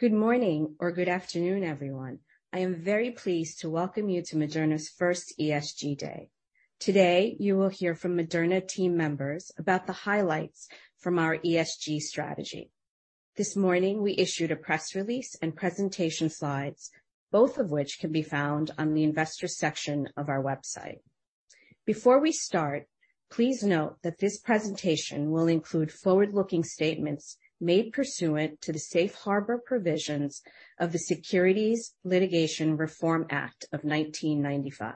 Good morning or good afternoon, everyone. I am very pleased to welcome you to Moderna's first ESG day. Today, you will hear from Moderna team members about the highlights from our ESG strategy. This morning, we issued a press release and presentation slides, both of which can be found on the investor section of our website. Before we start, please note that this presentation will include forward-looking statements made pursuant to the Safe Harbor Provisions of the Private Securities Litigation Reform Act of 1995.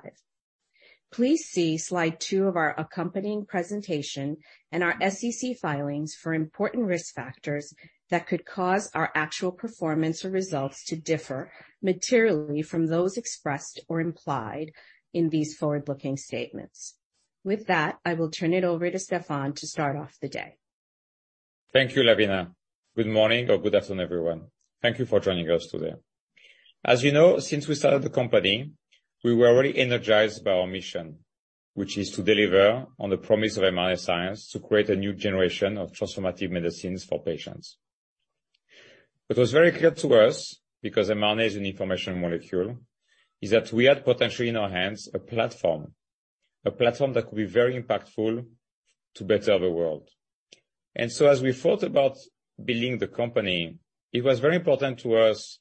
Please see slide two of our accompanying presentation and our SEC filings for important risk factors that could cause our actual performance or results to differ materially from those expressed or implied in these forward-looking statements. With that, I will turn it over to Stéphane to start off the day. Thank you, Lavina. Good morning or good afternoon, everyone. Thank you for joining us today. As you know, since we started the company, we were already energized by our mission, which is to deliver on the promise of mRNA science to create a new generation of transformative medicines for patients. It was very clear to us, because mRNA is an information molecule, is that we had potentially in our hands a platform that could be very impactful to better the world. As we thought about building the company, it was very important to us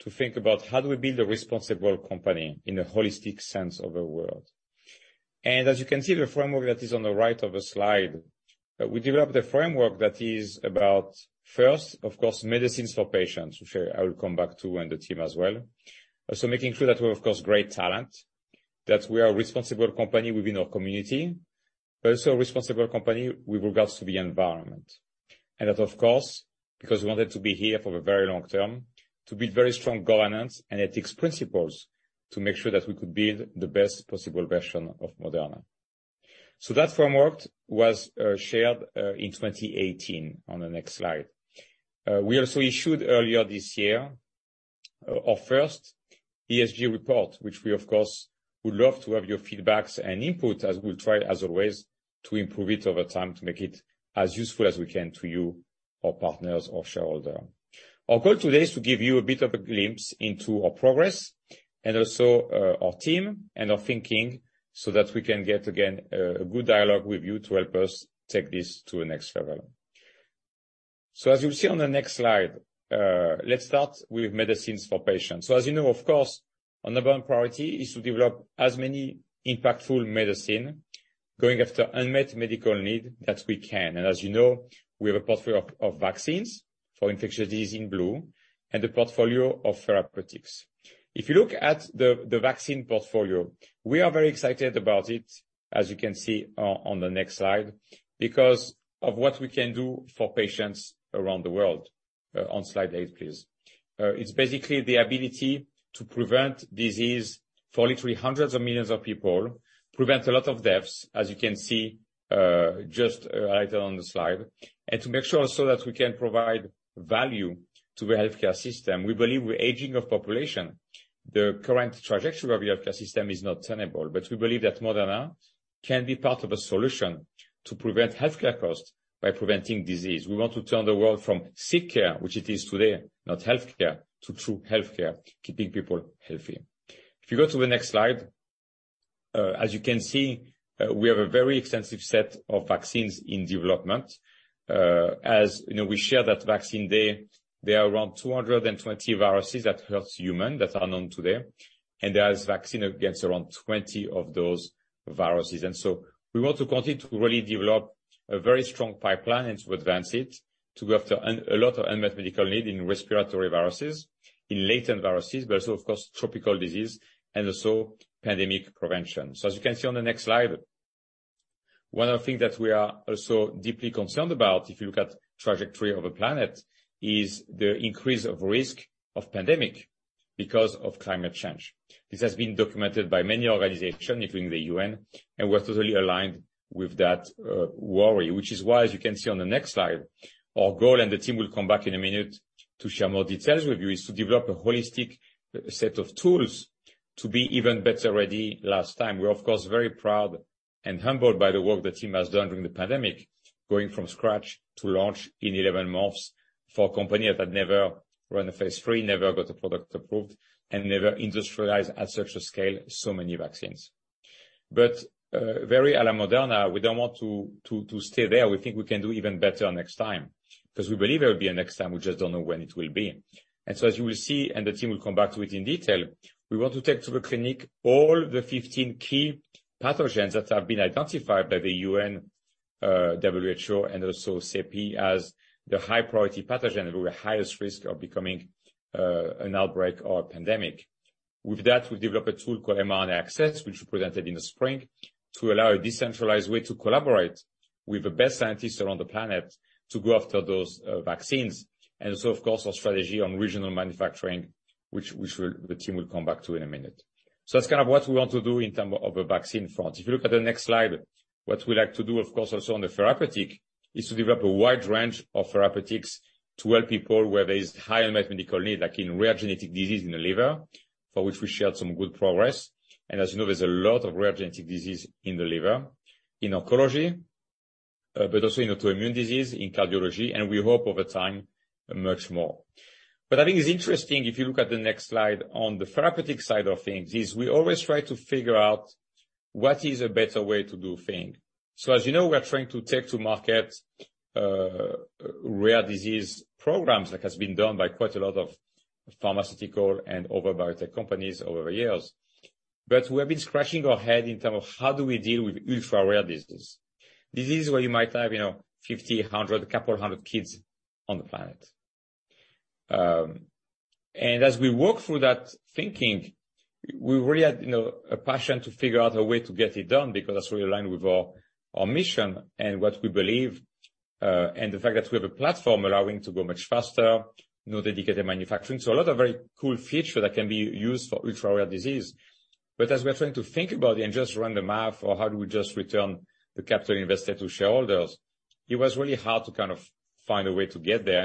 to think about how do we build a responsible company in a holistic sense of the world. As you can see, the framework that is on the right of the slide, we developed a framework that is about first, of course, medicines for patients, which I will come back to and the team as well. Also making sure that we have, of course, great talent, that we are a responsible company within our community, but also a responsible company with regards to the environment. That, of course, because we wanted to be here for a very long term, to build very strong governance and ethics principles to make sure that we could build the best possible version of Moderna. That framework was shared in 2018. On the next slide. We also issued earlier this year our first ESG report, which we of course would love to have your feedback and input as we'll try as always to improve it over time to make it as useful as we can to you, our partners or shareholder. Our goal today is to give you a bit of a glimpse into our progress and also, our team and our thinking so that we can get again, a good dialogue with you to help us take this to the next level. As you'll see on the next slide, let's start with medicines for patients. As you know, of course, our number one priority is to develop as many impactful medicine going after unmet medical need that we can. As you know, we have a portfolio of vaccines for infectious disease in blue and a portfolio of therapeutics. If you look at the vaccine portfolio, we are very excited about it, as you can see on the next slide, because of what we can do for patients around the world. On slide eight, please. It's basically the ability to prevent disease for literally hundreds of millions of people, prevent a lot of deaths, as you can see just later on the slide, and to make sure also that we can provide value to the healthcare system. We believe with aging of population, the current trajectory of the healthcare system is not tenable. We believe that Moderna can be part of a solution to prevent healthcare costs by preventing disease. We want to turn the world from sick care, which it is today, not healthcare, to true healthcare, keeping people healthy. If you go to the next slide, as you can see, we have a very extensive set of vaccines in development. As you know, we share that vaccine day, there are around 220 viruses that hurt humans that are known today, and there's vaccine against around 20 of those viruses. We want to continue to really develop a very strong pipeline and to advance it, to go after a lot of unmet medical need in respiratory viruses, in latent viruses, but also of course tropical disease and also pandemic prevention. As you can see on the next slide, one of the things that we are also deeply concerned about, if you look at trajectory of a planet, is the increase of risk of pandemic because of climate change. This has been documented by many organizations, including the UN, and we're totally aligned with that worry, which is why, as you can see on the next slide, our goal, and the team will come back in a minute to share more details with you, is to develop a holistic set of tools to be even better ready last time. We're of course very proud and humbled by the work the team has done during the pandemic, going from scratch to launch in 11 months for a company that had never run a phase III, never got a product approved, and never industrialized at such a scale, so many vaccines. Very early Moderna, we don't want to stay there. We think we can do even better next time, 'cause we believe there will be a next time. We just don't know when it will be. As you will see, and the team will come back to it in detail, we want to take to the clinic all the 15 key pathogens that have been identified by the UN, WHO and also CEPI as the high priority pathogen with the highest risk of becoming an outbreak or a pandemic. With that, we developed a tool called mRNA Access, which we presented in the spring, to allow a decentralized way to collaborate with the best scientists around the planet to go after those vaccines. Of course, our strategy on regional manufacturing, which the team will come back to in a minute. That's kind of what we want to do in terms of a vaccine front. If you look at the next slide, what we like to do, of course, also on the therapeutic, is to develop a wide range of therapeutics to help people where there is high unmet medical need, like in rare genetic disease in the liver, for which we shared some good progress. As you know, there's a lot of rare genetic disease in the liver. In oncology, but also in autoimmune disease, in cardiology, and we hope over time much more. I think it's interesting if you look at the next slide on the therapeutic side of things, we always try to figure out what is a better way to do things. As you know, we are trying to take to market rare disease programs like has been done by quite a lot of pharmaceutical and other biotech companies over the years. We have been scratching our head in terms of how do we deal with ultra-rare disease. Disease where you might have 50, 100, a couple hundred kids on the planet. As we work through that thinking, we really had, you know, a passion to figure out a way to get it done because that's really aligned with our mission and what we believe, and the fact that we have a platform allowing to go much faster, you know, dedicated manufacturing. A lot of very cool features that can be used for ultra-rare disease. As we are trying to think about it and just run the math for how do we just return the capital invested to shareholders, it was really hard to kind of find a way to get there.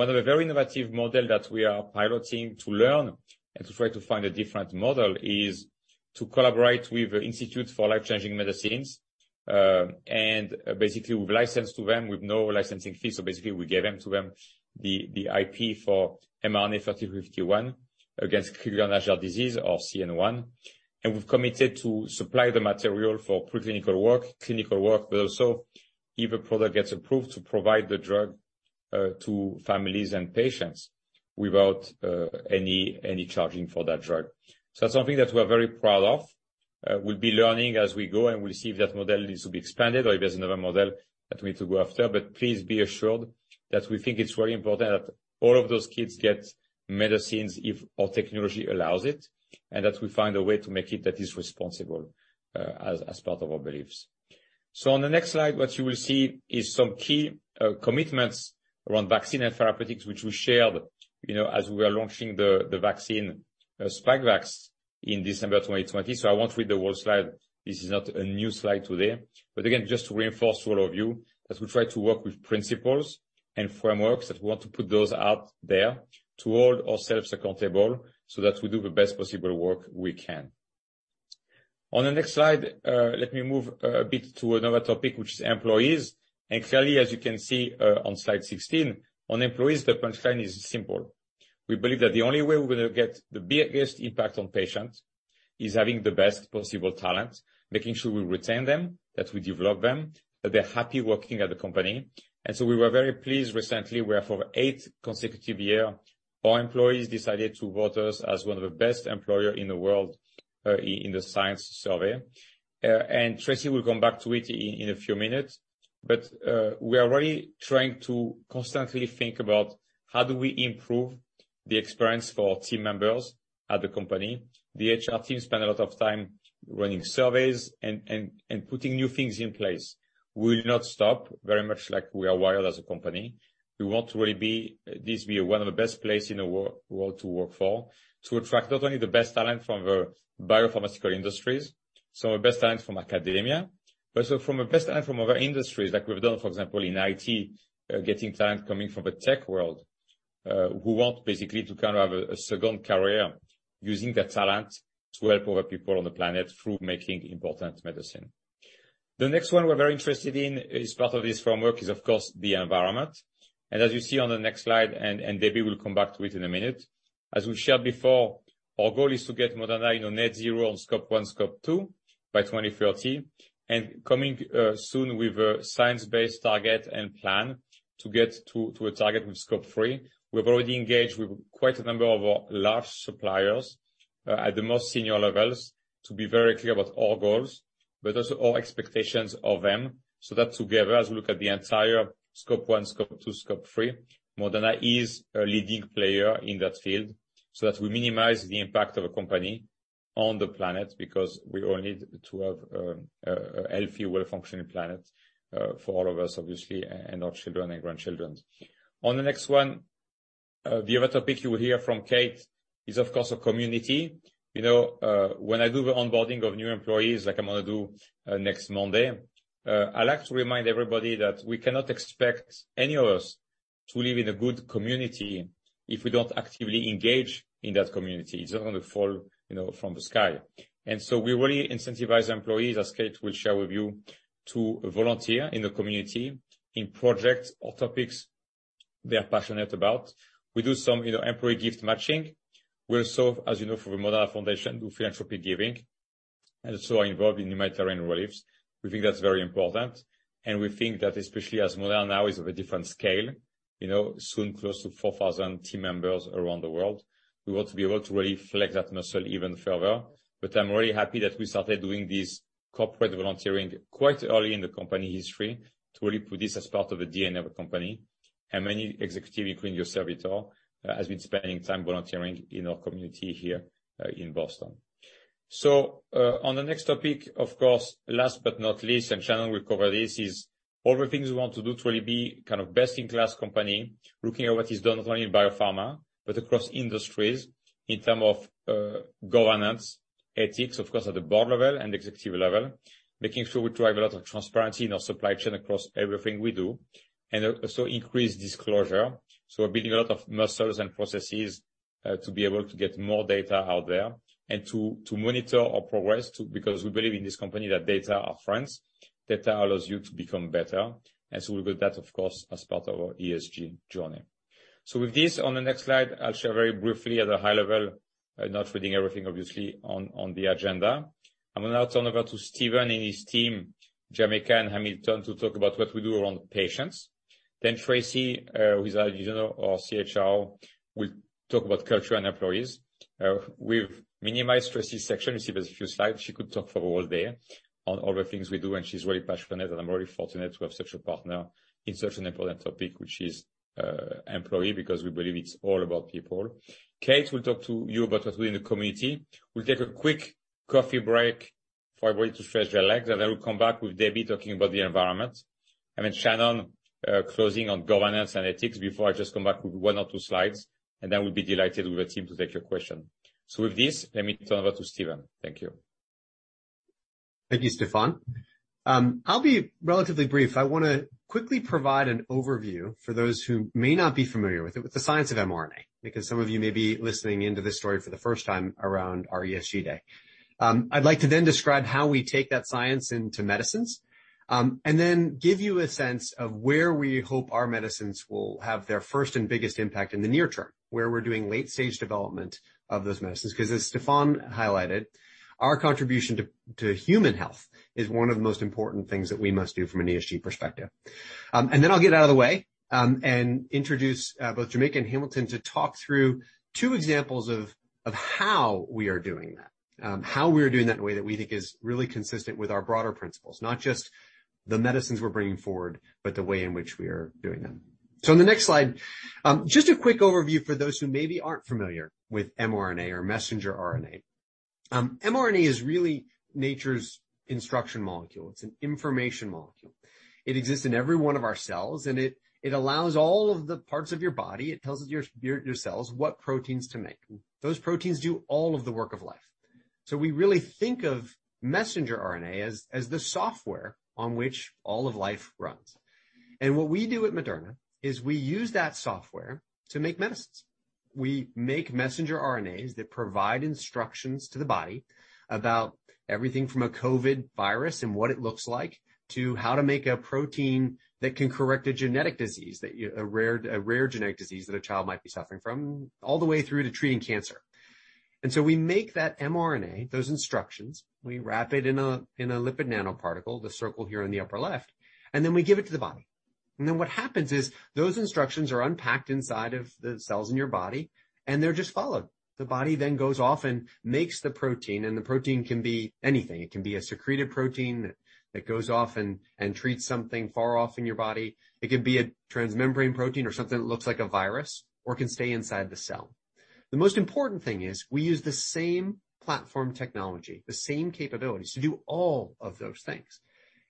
One of the very innovative model that we are piloting to learn and to try to find a different model is to collaborate with the Institute for Life Changing Medicines, and basically we've licensed to them with no licensing fee. Basically, we gave them the IP for mRNA-3351 against Krabbe disease or CN-1. We've committed to supply the material for pre-clinical work, clinical work, but also if a product gets approved, to provide the drug to families and patients without any charging for that drug. That's something that we're very proud of. We'll be learning as we go, and we'll see if that model needs to be expanded or if there's another model that we need to go after. Please be assured that we think it's very important that all of those kids get medicines if our technology allows it, and that we find a way to make it that is responsible, as part of our beliefs. On the next slide, what you will see is some key commitments around vaccine and therapeutics, which we shared, you know, as we are launching the vaccine, Spikevax in December 2020. I won't read the whole slide. This is not a new slide today. Again, just to reinforce to all of you that we try to work with principles and frameworks, that we want to put those out there to hold ourselves accountable so that we do the best possible work we can. On the next slide, let me move a bit to another topic, which is employees. Clearly, as you can see, on slide 16, on employees, the punchline is simple. We believe that the only way we're gonna get the biggest impact on patients is having the best possible talent, making sure we retain them, that we develop them, that they're happy working at the company. We were very pleased recently where for eight consecutive year, our employees decided to vote us as one of the best employer in the world, in the Science survey. Tracey will come back to it in a few minutes. We are really trying to constantly think about how do we improve the experience for team members at the company. The HR team spend a lot of time running surveys and putting new things in place. We will not stop, very much like we are wired as a company. We want to really be one of the best place in the world to work for, to attract not only the best talent from the biopharmaceutical industries, some of the best talents from academia, but also from the best talent from other industries like we've done, for example, in IT, getting talent coming from the tech world, who want basically to kind of have a second career using their talent to help other people on the planet through making important medicine. The next one we're very interested in as part of this framework is of course the environment. As you see on the next slide, Debbie will come back to it in a minute. As we've shared before, our goal is to get Moderna, you know, net zero on Scope 1, Scope 2 by 2030, and coming soon with a science-based target and plan to get to a target with Scope 3. We've already engaged with quite a number of our large suppliers at the most senior levels to be very clear about our goals, but also our expectations of them, so that together, as we look at the entire Scope 1, Scope 2, Scope 3, Moderna is a leading player in that field, so that we minimize the impact of a company on the planet because we all need to have a healthy, well-functioning planet for all of us, obviously, and our children and grandchildren. On the next one, the other topic you will hear from Kate is of course, our community. You know, when I do the onboarding of new employees, like I'm gonna do next Monday, I like to remind everybody that we cannot expect any of us to live in a good community if we don't actively engage in that community. It's not gonna fall, you know, from the sky. We really incentivize employees, as Kate will share with you, to volunteer in the community in projects or topics they are passionate about. We do some, you know, employee gift matching. We also, as you know, for the Moderna Foundation, do philanthropy giving, and also are involved in humanitarian reliefs. We think that's very important. We think that especially as Moderna now is of a different scale, you know, soon close to 4,000 team members around the world, we want to be able to really flex that muscle even further. I'm really happy that we started doing this corporate volunteering quite early in the company history to really put this as part of the DNA of a company. Many executives, including yourself, Vito, has been spending time volunteering in our community here in Boston. On the next topic, of course, last but not least, and Shannon will cover this, is all the things we want to do to really be kind of best in class company, looking at what is done not only in biopharma, but across industries in terms of governance, ethics, of course, at the board level and executive level. Making sure we drive a lot of transparency in our supply chain across everything we do, and also increase disclosure. We're building a lot of muscles and processes to be able to get more data out there and to monitor our progress because we believe in this company that data are friends. Data allows you to become better, and we build that, of course, as part of our ESG journey. With this, on the next slide, I'll share very briefly at a high level, not reading everything obviously on the agenda. I'm going to now turn over to Stephen and his team, Jameka and Hamilton, to talk about what we do around patients. Then, who's our CHRO, will talk about culture and employees. We've minimized Tracey's section. You see there's a few slides. She could talk for all day on all the things we do, and she's very passionate, and I'm very fortunate to have such a partner in such an important topic, which is employee, because we believe it's all about people. Kate will talk to you about what we do in the community. We'll take a quick coffee break for everybody to stretch their legs, and then we'll come back with Debbie talking about the environment. Shannon closing on governance and ethics before I just come back with one or two slides, and then we'll be delighted with our team to take your question. With this, let me turn over to Stephen. Thank you. Thank you, Stéphane. I'll be relatively brief. I wanna quickly provide an overview for those who may not be familiar with it, with the science of mRNA, because some of you may be listening in to this story for the first time around our ESG Day. I'd like to then describe how we take that science into medicines, and then give you a sense of where we hope our medicines will have their first and biggest impact in the near term, where we're doing late-stage development of those medicines. 'Cause as Stéphane highlighted, our contribution to human health is one of the most important things that we must do from an ESG perspective. I'll get out of the way and introduce both Jameka and Hamilton to talk through two examples of how we are doing that. How we are doing that in a way that we think is really consistent with our broader principles. Not just the medicines we're bringing forward, but the way in which we are doing them. On the next slide, just a quick overview for those who maybe aren't familiar with mRNA or messenger RNA. mRNA is really nature's instruction molecule. It's an information molecule. It exists in every one of our cells, and it allows all of the parts of your body, it tells your cells what proteins to make. Those proteins do all of the work of life. We really think of messenger RNA as the software on which all of life runs. What we do at Moderna is we use that software to make medicines. We make messenger RNAs that provide instructions to the body about everything from a COVID virus and what it looks like, to how to make a protein that can correct a genetic disease, a rare genetic disease that a child might be suffering from, all the way through to treating cancer. We make that mRNA, those instructions, we wrap it in a lipid nanoparticle, the circle here in the upper left, and then we give it to the body. What happens is those instructions are unpacked inside of the cells in your body, and they're just followed. The body then goes off and makes the protein, and the protein can be anything. It can be a secreted protein that goes off and treats something far off in your body. It can be a transmembrane protein or something that looks like a virus or can stay inside the cell. The most important thing is we use the same platform technology, the same capabilities to do all of those things.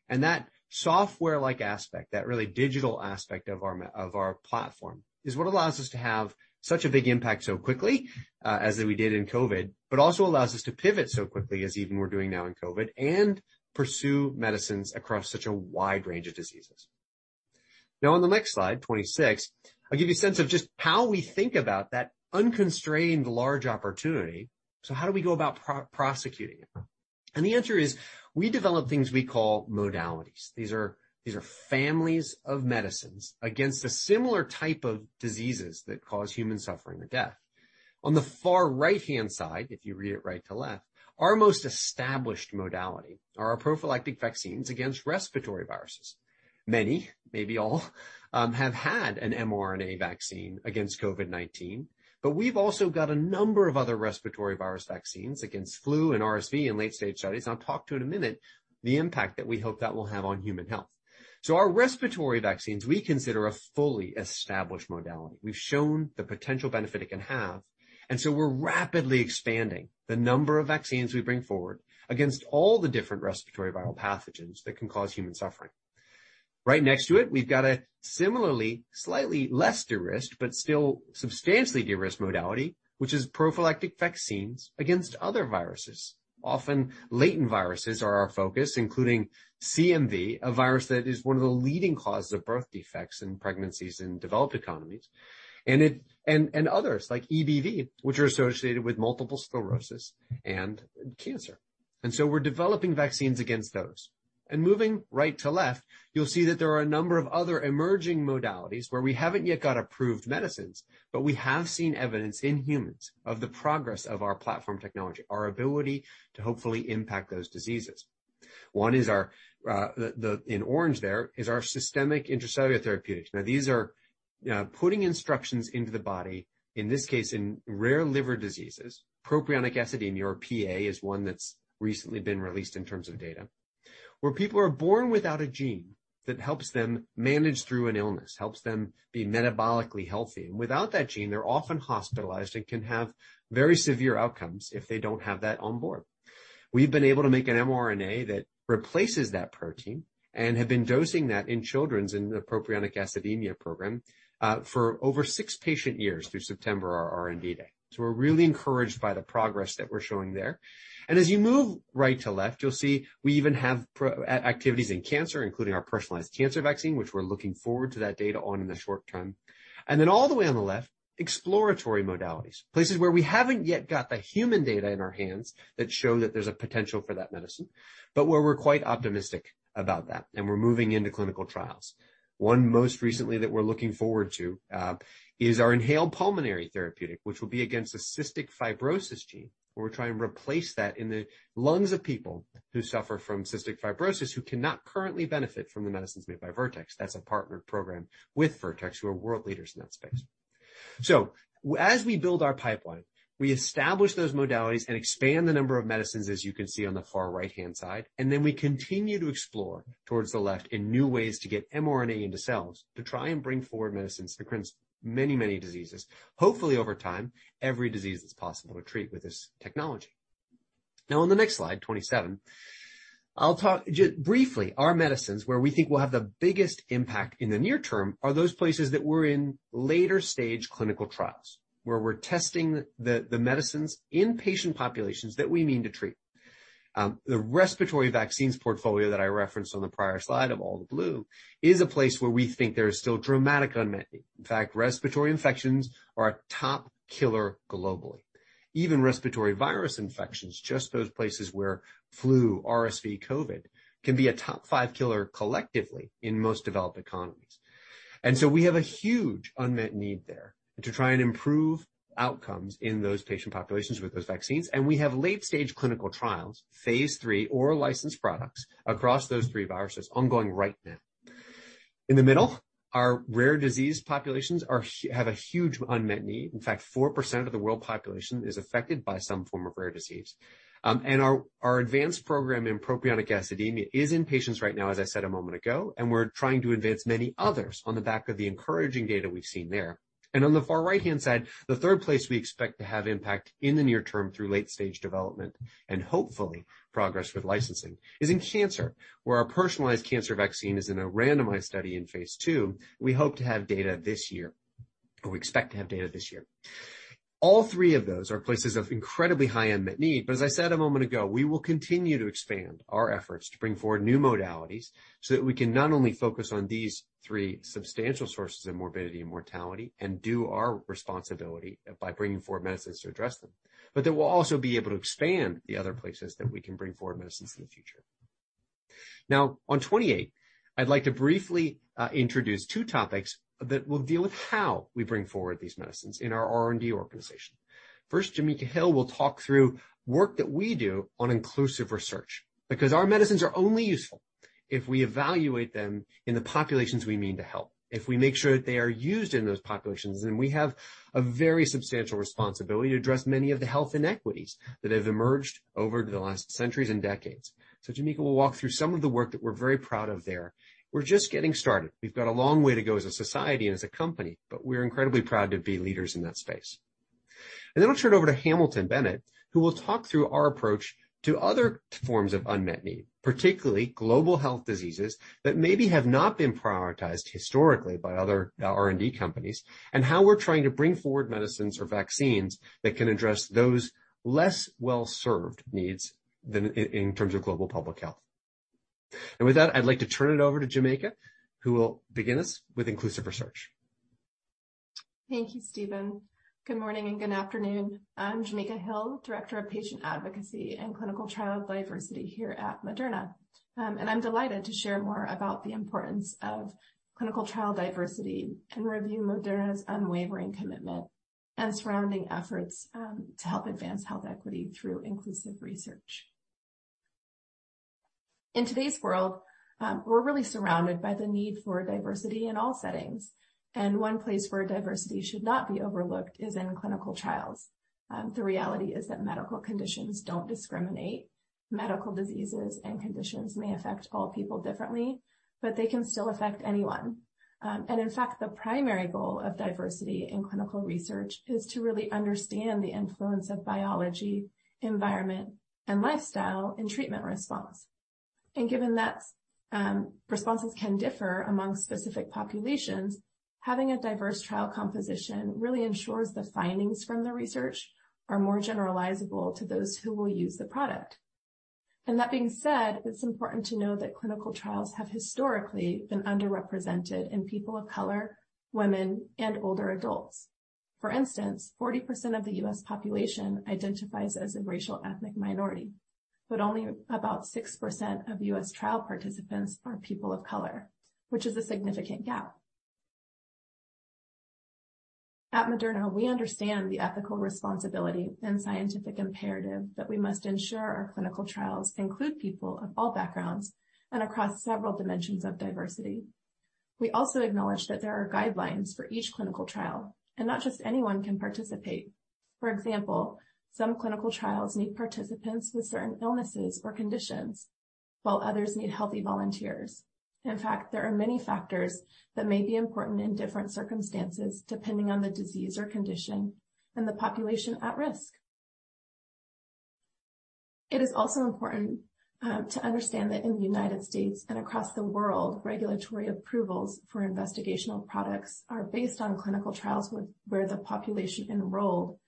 That software-like aspect, that really digital aspect of our mRNA platform, is what allows us to have such a big impact so quickly, as we did in COVID, but also allows us to pivot so quickly as even we're doing now in COVID, and pursue medicines across such a wide range of diseases. Now on the next slide, 26, I'll give you a sense of just how we think about that unconstrained large opportunity. How do we go about prosecuting it? The answer is we develop things we call modalities. These are families of medicines against the similar type of diseases that cause human suffering or death. On the far right-hand side, if you read it right to left, our most established modality are our prophylactic vaccines against respiratory viruses. Many, maybe all, have had an mRNA vaccine against COVID-19, but we've also got a number of other respiratory virus vaccines against flu and RSV in late-stage studies. I'll talk about it in a minute the impact that we hope that will have on human health. Our respiratory vaccines we consider a fully established modality. We've shown the potential benefit it can have, and we're rapidly expanding the number of vaccines we bring forward against all the different respiratory viral pathogens that can cause human suffering. Right next to it, we've got a similarly slightly less de-risked but still substantially de-risked modality, which is prophylactic vaccines against other viruses. Often latent viruses are our focus, including CMV, a virus that is one of the leading causes of birth defects in pregnancies in developed economies, and others like EBV, which are associated with multiple sclerosis and cancer. We're developing vaccines against those. Moving right to left, you'll see that there are a number of other emerging modalities where we haven't yet got approved medicines, but we have seen evidence in humans of the progress of our platform technology, our ability to hopefully impact those diseases. One is our in orange there, is our systemic intracellular therapeutics. These are putting instructions into the body, in this case, in rare liver diseases. Propionic acidemia or PA is one that's recently been released in terms of data, where people are born without a gene that helps them manage through an illness, helps them be metabolically healthy. Without that gene, they're often hospitalized and can have very severe outcomes if they don't have that on board. We've been able to make an mRNA that replaces that protein and have been dosing that in children in the propionic acidemia program for over six patient years through September, our R&D day. We're really encouraged by the progress that we're showing there. As you move right to left, you'll see we even have programs and activities in cancer, including our personalized cancer vaccine, which we're looking forward to that data on in the short term. Then all the way on the left, exploratory modalities. Places where we haven't yet got the human data in our hands that show that there's a potential for that medicine, but where we're quite optimistic about that, and we're moving into clinical trials. One most recently that we're looking forward to is our inhaled pulmonary therapeutic, which will be against a cystic fibrosis gene, where we're trying to replace that in the lungs of people who suffer from cystic fibrosis who cannot currently benefit from the medicines made by Vertex. That's a partnered The respiratory vaccines portfolio that I referenced on the prior slide of all the blue is a place where we think there is still dramatic unmet need. In fact, respiratory infections are a top killer globally. Even respiratory virus infections, just those places where flu, RSV, COVID, can be a top five killer collectively in most developed economies. We have a huge unmet need there to try and improve outcomes in those patient populations with those vaccines, and we have late-stage clinical trials, phase III or licensed products across those three viruses ongoing right now. In the middle, our rare disease populations have a huge unmet need. In fact, 4% of the world population is affected by some form of rare disease. Our advanced program in propionic acidemia is in patients right now, as I said a moment ago, and we're trying to advance many others on the back of the encouraging data we've seen there. On the far right-hand side, the third place we expect to have impact in the near term through late-stage development and hopefully progress with licensing is in cancer, where our personalized cancer vaccine is in a randomized study in phase II. We hope to have data this year, or we expect to have data this year. All three of those are places of incredibly high unmet need, but as I said a moment ago, we will continue to expand our efforts to bring forward new modalities so that we can not only focus on these three substantial sources of morbidity and mortality and do our responsibility by bringing forward medicines to address them, but then we'll also be able to expand the other places that we can bring forward medicines in the future. Now on 28, I'd like to briefly introduce two topics that will deal with how we bring forward these medicines in our R&D organization. First, Jameka Hill will talk through work that we do on inclusive research because our medicines are only useful if we evaluate them in the populations we mean to help. If we make sure that they are used in those populations, then we have a very substantial responsibility to address many of the health inequities that have emerged over the last centuries and decades. Jameka will walk through some of the work that we're very proud of there. We're just getting started. We've got a long way to go as a society and as a company, but we're incredibly proud to be leaders in that space. Then I'll turn over to Hamilton Bennett, who will talk through our approach to other forms of unmet need, particularly global health diseases that maybe have not been prioritized historically by other R&D companies, and how we're trying to bring forward medicines or vaccines that can address those less well-served needs than in terms of global public health. With that, I'd like to turn it over to Jameka, who will begin us with inclusive research. Thank you, Stephen. Good morning and good afternoon. I'm Jameka Hill, Director of Patient Advocacy and Clinical Trial Diversity here at Moderna. I'm delighted to share more about the importance of clinical trial diversity and review Moderna's unwavering commitment and surrounding efforts to help advance health equity through inclusive research. In today's world, we're really surrounded by the need for diversity in all settings, and one place where diversity should not be overlooked is in clinical trials. The reality is that medical conditions don't discriminate. Medical diseases and conditions may affect all people differently, but they can still affect anyone. In fact, the primary goal of diversity in clinical research is to really understand the influence of biology, environment, and lifestyle in treatment response. Given that, responses can differ among specific populations, having a diverse trial composition really ensures the findings from the research are more generalizable to those who will use the product. That being said, it's important to know that clinical trials have historically been underrepresented in people of color, women, and older adults. For instance, 40% of the U.S. population identifies as a racial ethnic minority, but only about 6% of U.S. trial participants are people of color, which is a significant gap. At Moderna, we understand the ethical responsibility and scientific imperative that we must ensure our clinical trials include people of all backgrounds and across several dimensions of diversity. We also acknowledge that there are guidelines for each clinical trial, and not just anyone can participate. For example, some clinical trials need participants with certain illnesses or conditions, while others need healthy volunteers. In fact, there are many factors that may be important in different circumstances, depending on the disease or condition and the population at risk. It is also important to understand that in the United States and across the world, regulatory approvals for investigational products are based on clinical trials where the population enrolled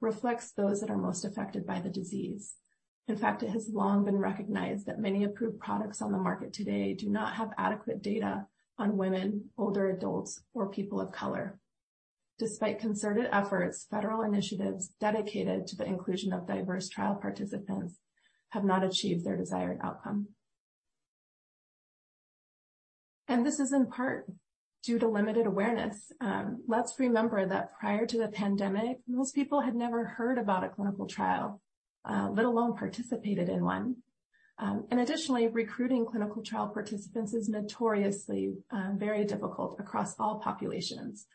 reflects those that are most affected by the disease. In fact, it has long been recognized that many approved products on the market today do not have adequate data on women, older adults, or people of color. Despite concerted efforts, federal initiatives dedicated to the inclusion of diverse trial participants have not achieved their desired outcome. This is in part due to limited awareness. Let's remember that prior to the pandemic, most people had never heard about a clinical trial, let alone participated in one. Additionally, recruiting clinical trial participants is notoriously very difficult across all populations.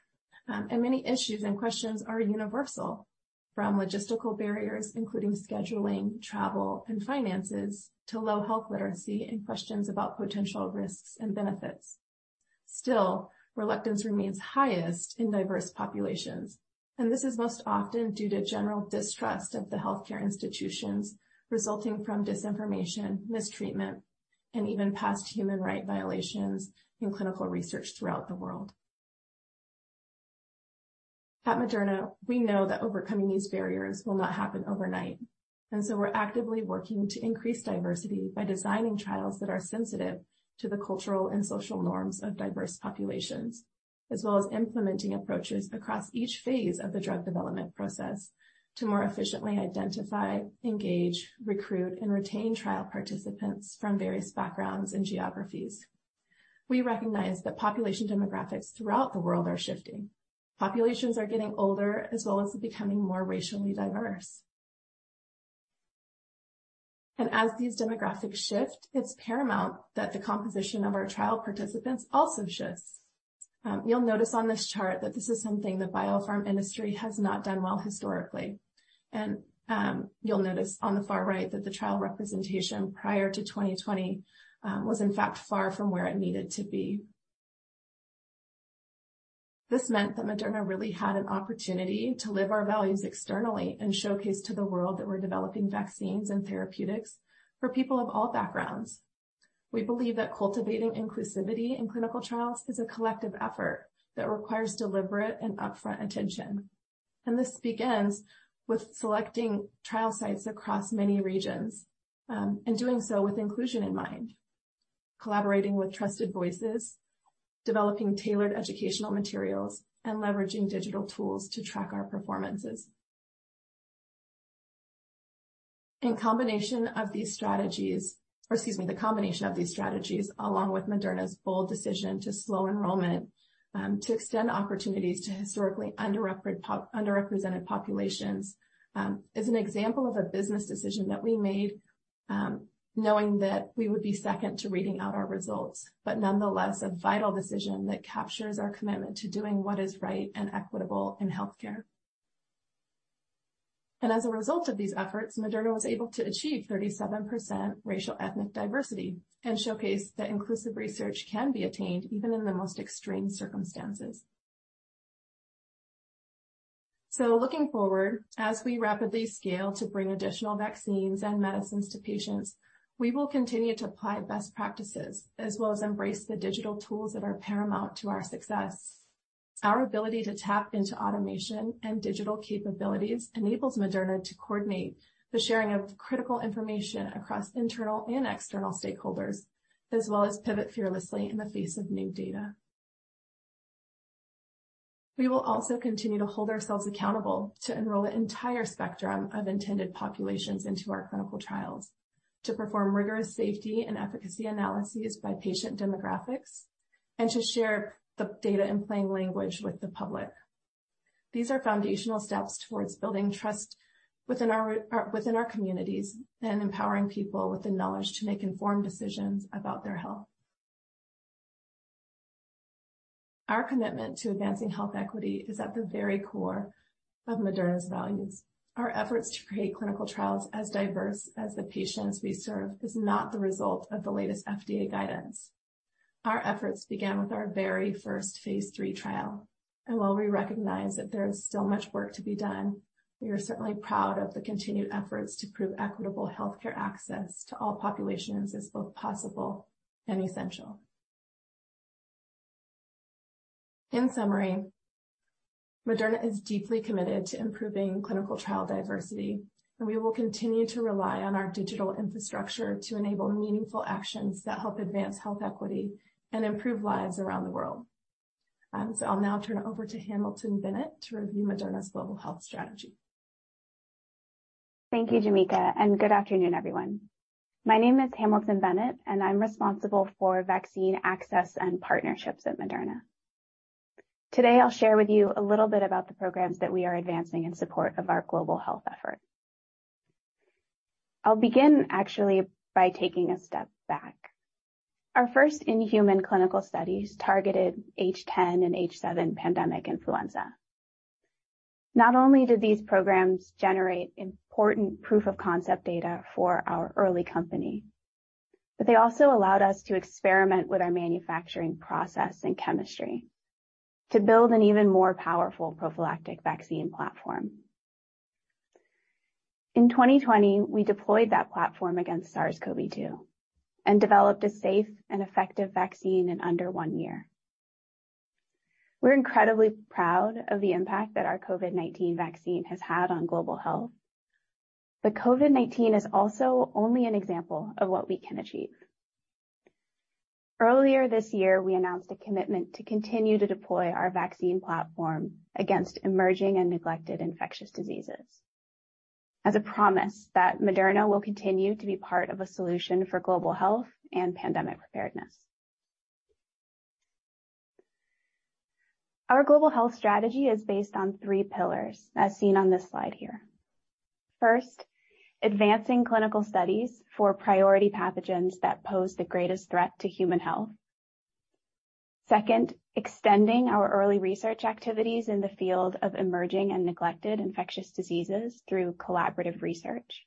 Many issues and questions are universal, from logistical barriers, including scheduling, travel, and finances, to low health literacy and questions about potential risks and benefits. Still, reluctance remains highest in diverse populations, and this is most often due to general distrust of the healthcare institutions resulting from disinformation, mistreatment, and even past human rights violations in clinical research throughout the world. At Moderna, we know that overcoming these barriers will not happen overnight, and so we're actively working to increase diversity by designing trials that are sensitive to the cultural and social norms of diverse populations, as well as implementing approaches across each phase of the drug development process to more efficiently identify, engage, recruit, and retain trial participants from various backgrounds and geographies. We recognize that population demographics throughout the world are shifting. Populations are getting older as well as becoming more racially diverse. As these demographics shift, it's paramount that the composition of our trial participants also shifts. You'll notice on this chart that this is something the biopharma industry has not done well historically. You'll notice on the far right that the trial representation prior to 2020 was in fact far from where it needed to be. This meant that Moderna really had an opportunity to live our values externally and showcase to the world that we're developing vaccines and therapeutics for people of all backgrounds. We believe that cultivating inclusivity in clinical trials is a collective effort that requires deliberate and upfront attention. This begins with selecting trial sites across many regions, and doing so with inclusion in mind, collaborating with trusted voices, developing tailored educational materials, and leveraging digital tools to track our performances. The combination of these strategies along with Moderna's bold decision to slow enrollment, to extend opportunities to historically underrepresented populations, is an example of a business decision that we made, knowing that we would be second to reading out our results, but nonetheless a vital decision that captures our commitment to doing what is right and equitable in healthcare. As a result of these efforts, Moderna was able to achieve 37% racial ethnic diversity and showcase that inclusive research can be attained even in the most extreme circumstances. Looking forward, as we rapidly scale to bring additional vaccines and medicines to patients, we will continue to apply best practices as well as embrace the digital tools that are paramount to our success. Our ability to tap into automation and digital capabilities enables Moderna to coordinate the sharing of critical information across internal and external stakeholders, as well as pivot fearlessly in the face of new data. We will also continue to hold ourselves accountable to enroll the entire spectrum of intended populations into our clinical trials, to perform rigorous safety and efficacy analyses by patient demographics, and to share the data in plain language with the public. These are foundational steps towards building trust within our communities and empowering people with the knowledge to make informed decisions about their health. Our commitment to advancing health equity is at the very core of Moderna's values. Our efforts to create clinical trials as diverse as the patients we serve is not the result of the latest FDA guidance. Our efforts began with our very first phase III trial. While we recognize that there is still much work to be done, we are certainly proud of the continued efforts to prove equitable healthcare access to all populations as both possible and essential. In summary, Moderna is deeply committed to improving clinical trial diversity, and we will continue to rely on our digital infrastructure to enable meaningful actions that help advance health equity and improve lives around the world. I'll now turn it over to Hamilton Bennett to review Moderna's global health strategy. Thank you, Jameka, and good afternoon, everyone. My name is Hamilton Bennett, and I'm responsible for vaccine access and partnerships at Moderna. Today I'll share with you a little bit about the programs that we are advancing in support of our global health effort. I'll begin actually by taking a step back. Our first in-human clinical studies targeted H10 and H7 pandemic influenza. Not only did these programs generate important proof of concept data for our early company, but they also allowed us to experiment with our manufacturing process and chemistry to build an even more powerful prophylactic vaccine platform. In 2020, we deployed that platform against SARS-CoV-2 and developed a safe and effective vaccine in under one year. We're incredibly proud of the impact that our COVID-19 vaccine has had on global health. COVID-19 is also only an example of what we can achieve. Earlier this year, we announced a commitment to continue to deploy our vaccine platform against emerging and neglected infectious diseases as a promise that Moderna will continue to be part of a solution for global health and pandemic preparedness. Our global health strategy is based on three pillars as seen on this slide here. First, advancing clinical studies for priority pathogens that pose the greatest threat to human health. Second, extending our early research activities in the field of emerging and neglected infectious diseases through collaborative research.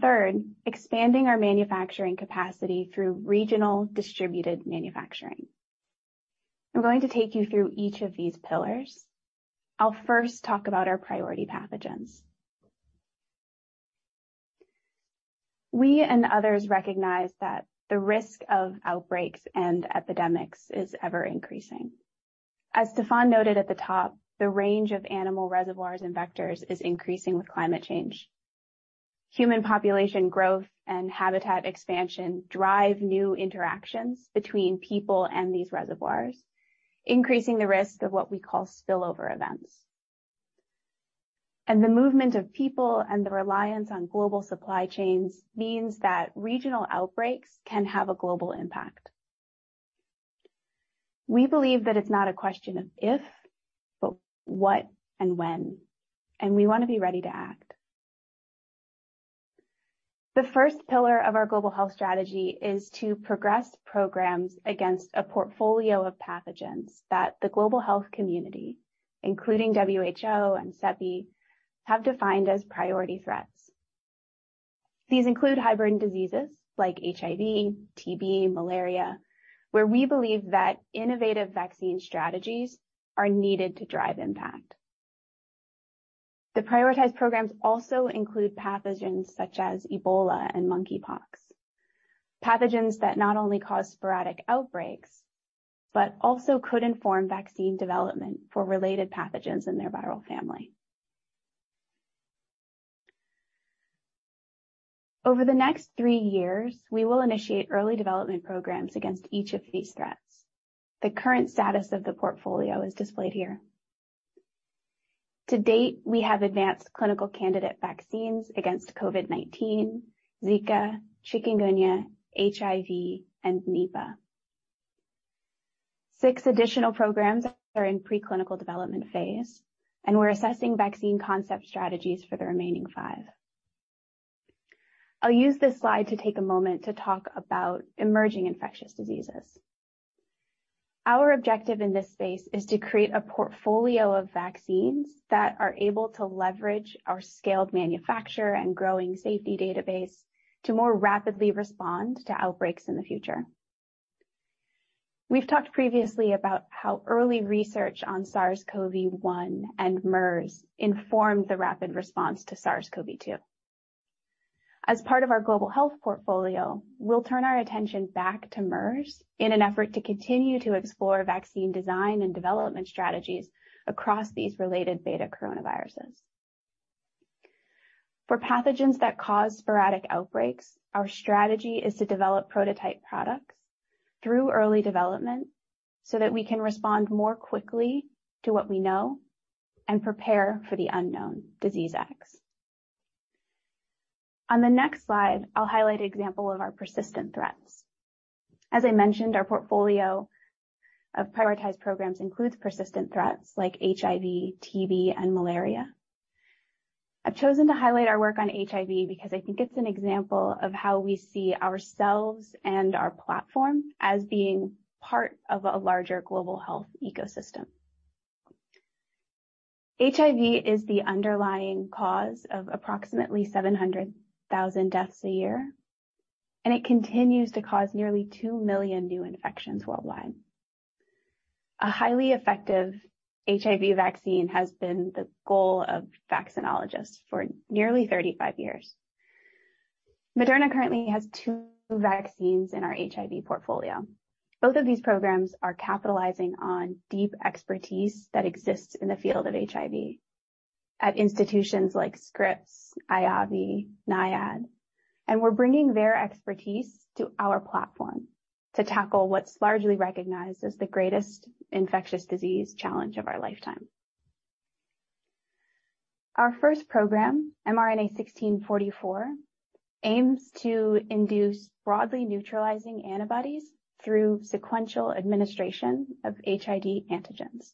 Third, expanding our manufacturing capacity through regional distributed manufacturing. I'm going to take you through each of these pillars. I'll first talk about our priority pathogens. We and others recognize that the risk of outbreaks and epidemics is ever-increasing. As Stéphane noted at the top, the range of animal reservoirs and vectors is increasing with climate change. Human population growth and habitat expansion drive new interactions between people and these reservoirs, increasing the risk of what we call spillover events. The movement of people and the reliance on global supply chains means that regional outbreaks can have a global impact. We believe that it's not a question of if, but what and when, and we want to be ready to act. The first pillar of our global health strategy is to progress programs against a portfolio of pathogens that the global health community, including WHO and CEPI, have defined as priority threats. These include hybrid diseases like HIV, TB, malaria, where we believe that innovative vaccine strategies are needed to drive impact. The prioritized programs also include pathogens such as Ebola and monkeypox, pathogens that not only cause sporadic outbreaks, but also could inform vaccine development for related pathogens in their viral family. Over the next three years, we will initiate early development programs against each of these threats. The current status of the portfolio is displayed here. To date, we have advanced clinical candidate vaccines against COVID-19, Zika, Chikungunya, HIV, and Nipah. Six additional programs are in preclinical development phase, and we're assessing vaccine concept strategies for the remaining five. I'll use this slide to take a moment to talk about emerging infectious diseases. Our objective in this space is to create a portfolio of vaccines that are able to leverage our scaled manufacture and growing safety database to more rapidly respond to outbreaks in the future. We've talked previously about how early research on SARS-CoV-1 and MERS informed the rapid response to SARS-CoV-2. As part of our global health portfolio, we'll turn our attention back to MERS in an effort to continue to explore vaccine design and development strategies across these related betacoronaviruses. For pathogens that cause sporadic outbreaks, our strategy is to develop prototype products through early development so that we can respond more quickly to what we know and prepare for the unknown Disease X. On the next slide, I'll highlight an example of our persistent threats. As I mentioned, our portfolio of prioritized programs includes persistent threats like HIV, TB, and malaria. I've chosen to highlight our work on HIV because I think it's an example of how we see ourselves and our platform as being part of a larger global health ecosystem. HIV is the underlying cause of approximately 700,000 deaths a year, and it continues to cause nearly two million new infections worldwide. A highly effective HIV vaccine has been the goal of vaccinologists for nearly 35 years. Moderna currently has two vaccines in our HIV portfolio. Both of these programs are capitalizing on deep expertise that exists in the field of HIV at institutions like Scripps, IAVI, NIAID, and we're bringing their expertise to our platform to tackle what's largely recognized as the greatest infectious disease challenge of our lifetime. Our first program, mRNA-1644, aims to induce broadly neutralizing antibodies through sequential administration of HIV antigens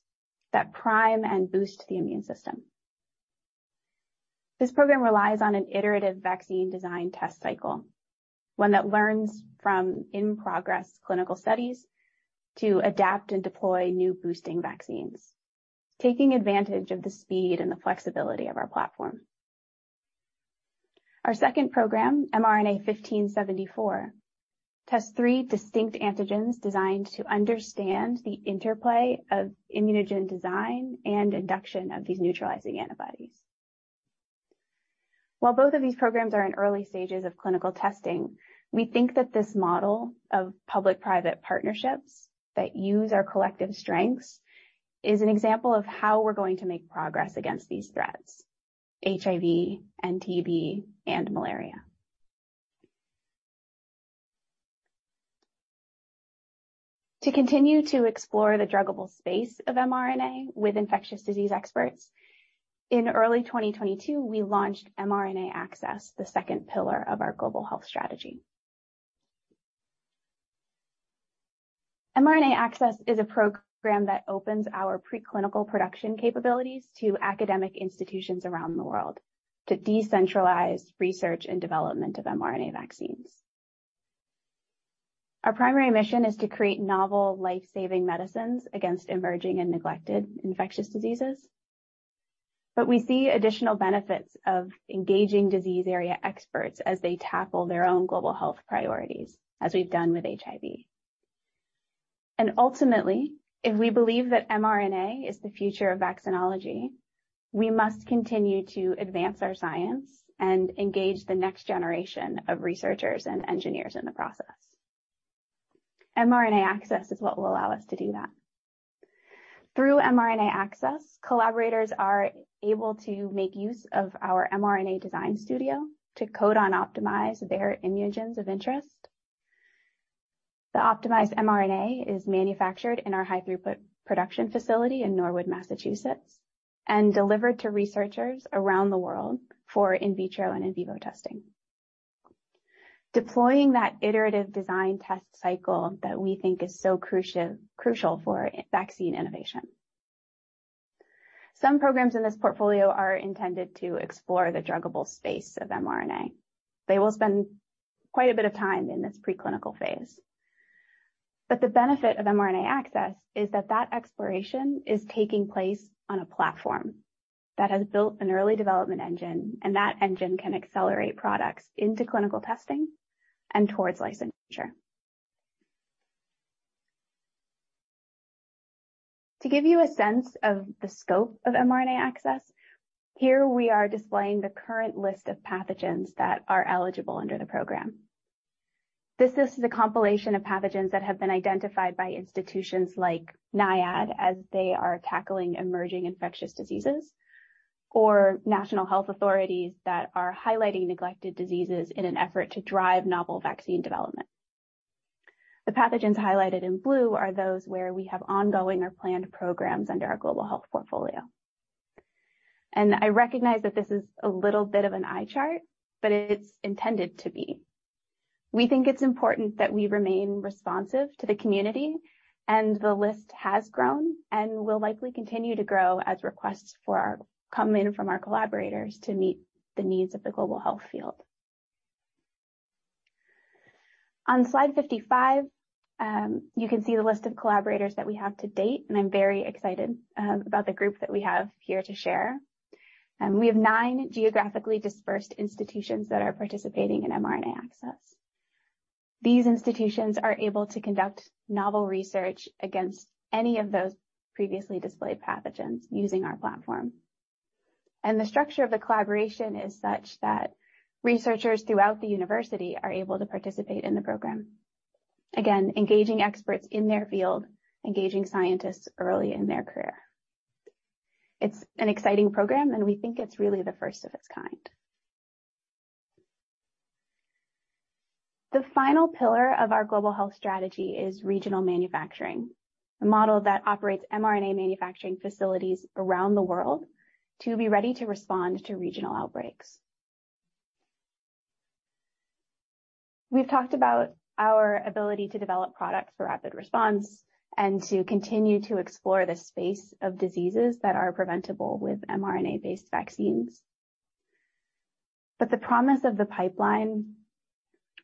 that prime and boost the immune system. This program relies on an iterative vaccine design test cycle, one that learns from in-progress clinical studies to adapt and deploy new boosting vaccines, taking advantage of the speed and the flexibility of our platform. Our second program, mRNA-1574, tests three distinct antigens designed to understand the interplay of immunogen design and induction of these neutralizing antibodies. While both of these programs are in early stages of clinical testing, we think that this model of public-private partnerships that use our collective strengths is an example of how we're going to make progress against these threats, HIV, TB, and malaria. To continue to explore the druggable space of mRNA with infectious disease experts, in early 2022, we launched mRNA Access, the second pillar of our global health strategy. mRNA Access is a program that opens our preclinical production capabilities to academic institutions around the world to decentralize research and development of mRNA vaccines. Our primary mission is to create novel life-saving medicines against emerging and neglected infectious diseases. We see additional benefits of engaging disease area experts as they tackle their own global health priorities, as we've done with HIV. Ultimately, if we believe that mRNA is the future of vaccinology, we must continue to advance our science and engage the next generation of researchers and engineers in the process. mRNA Access is what will allow us to do that. Through mRNA Access, collaborators are able to make use of our mRNA Design Studio to codon optimize their immunogens of interest. The optimized mRNA is manufactured in our high-throughput production facility in Norwood, Massachusetts, and delivered to researchers around the world for in vitro and in vivo testing. Deploying that iterative design test cycle that we think is so crucial for vaccine innovation. Some programs in this portfolio are intended to explore the druggable space of mRNA. They will spend quite a bit of time in this preclinical phase. The benefit of mRNA Access is that that exploration is taking place on a platform that has built an early development engine, and that engine can accelerate products into clinical testing and towards licensure. To give you a sense of the scope of mRNA Access, here we are displaying the current list of pathogens that are eligible under the program. This is a compilation of pathogens that have been identified by institutions like NIAID as they are tackling emerging infectious diseases, or national health authorities that are highlighting neglected diseases in an effort to drive novel vaccine development. The pathogens highlighted in blue are those where we have ongoing or planned programs under our global health portfolio. I recognize that this is a little bit of an eye chart, but it's intended to be. We think it's important that we remain responsive to the community, and the list has grown and will likely continue to grow as requests come in from our collaborators to meet the needs of the global health field. On slide 55, you can see the list of collaborators that we have to date, and I'm very excited about the group that we have here to share. We have nine geographically dispersed institutions that are participating in mRNA Access. These institutions are able to conduct novel research against any of those previously displayed pathogens using our platform. The structure of the collaboration is such that researchers throughout the university are able to participate in the program. Again, engaging experts in their field, engaging scientists early in their career. It's an exciting program, and we think it's really the first of its kind. The final pillar of our global health strategy is regional manufacturing, a model that operates mRNA manufacturing facilities around the world to be ready to respond to regional outbreaks. We've talked about our ability to develop products for rapid response and to continue to explore the space of diseases that are preventable with mRNA-based vaccines. The promise of the pipeline,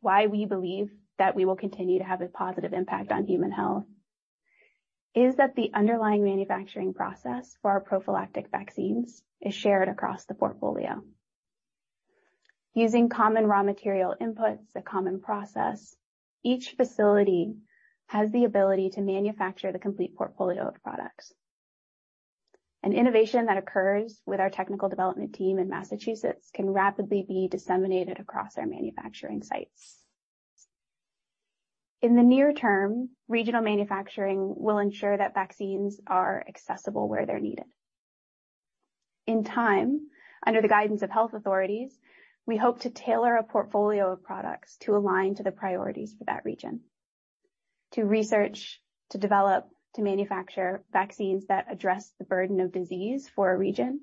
why we believe that we will continue to have a positive impact on human health, is that the underlying manufacturing process for our prophylactic vaccines is shared across the portfolio. Using common raw material inputs, a common process, each facility has the ability to manufacture the complete portfolio of products. An innovation that occurs with our technical development team in Massachusetts can rapidly be disseminated across our manufacturing sites. In the near term, regional manufacturing will ensure that vaccines are accessible where they're needed. In time, under the guidance of health authorities, we hope to tailor a portfolio of products to align to the priorities for that region. To research, to develop, to manufacture vaccines that address the burden of disease for a region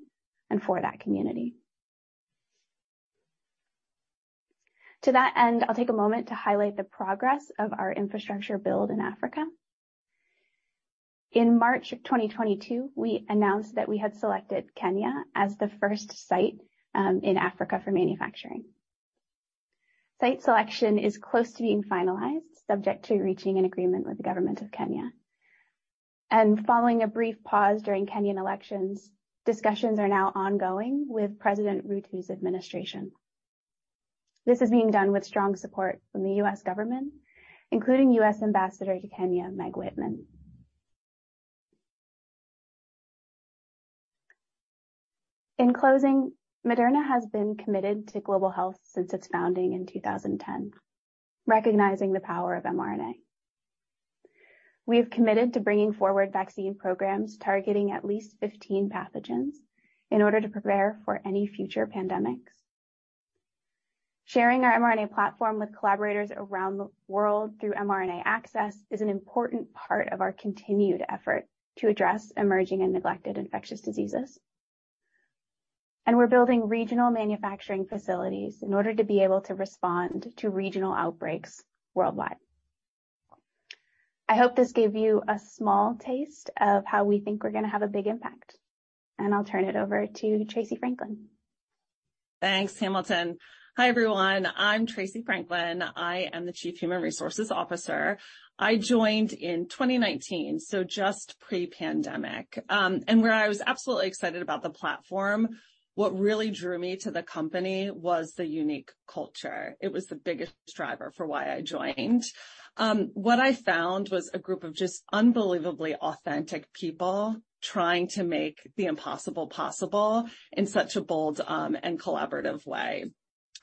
and for that community. To that end, I'll take a moment to highlight the progress of our infrastructure build in Africa. In March 2022, we announced that we had selected Kenya as the first site in Africa for manufacturing. Site selection is close to being finalized, subject to reaching an agreement with the government of Kenya. Following a brief pause during Kenyan elections, discussions are now ongoing with President Ruto's administration. This is being done with strong support from the U.S. government, including U.S. Ambassador to Kenya, Meg Whitman. In closing, Moderna has been committed to global health since its founding in 2010, recognizing the power of mRNA. We have committed to bringing forward vaccine programs targeting at least 15 pathogens in order to prepare for any future pandemics. Sharing our mRNA platform with collaborators around the world through mRNA Access is an important part of our continued effort to address emerging and neglected infectious diseases. We're building regional manufacturing facilities in order to be able to respond to regional outbreaks worldwide. I hope this gave you a small taste of how we think we're gonna have a big impact. I'll turn it over to Tracey Franklin. Thanks, Hamilton. Hi, everyone. I'm Tracey Franklin. I am the Chief Human Resources Officer. I joined in 2019, so just pre-pandemic. Where I was absolutely excited about the platform, what really drew me to the company was the unique culture. It was the biggest driver for why I joined. What I found was a group of just unbelievably authentic people trying to make the impossible possible in such a bold and collaborative way.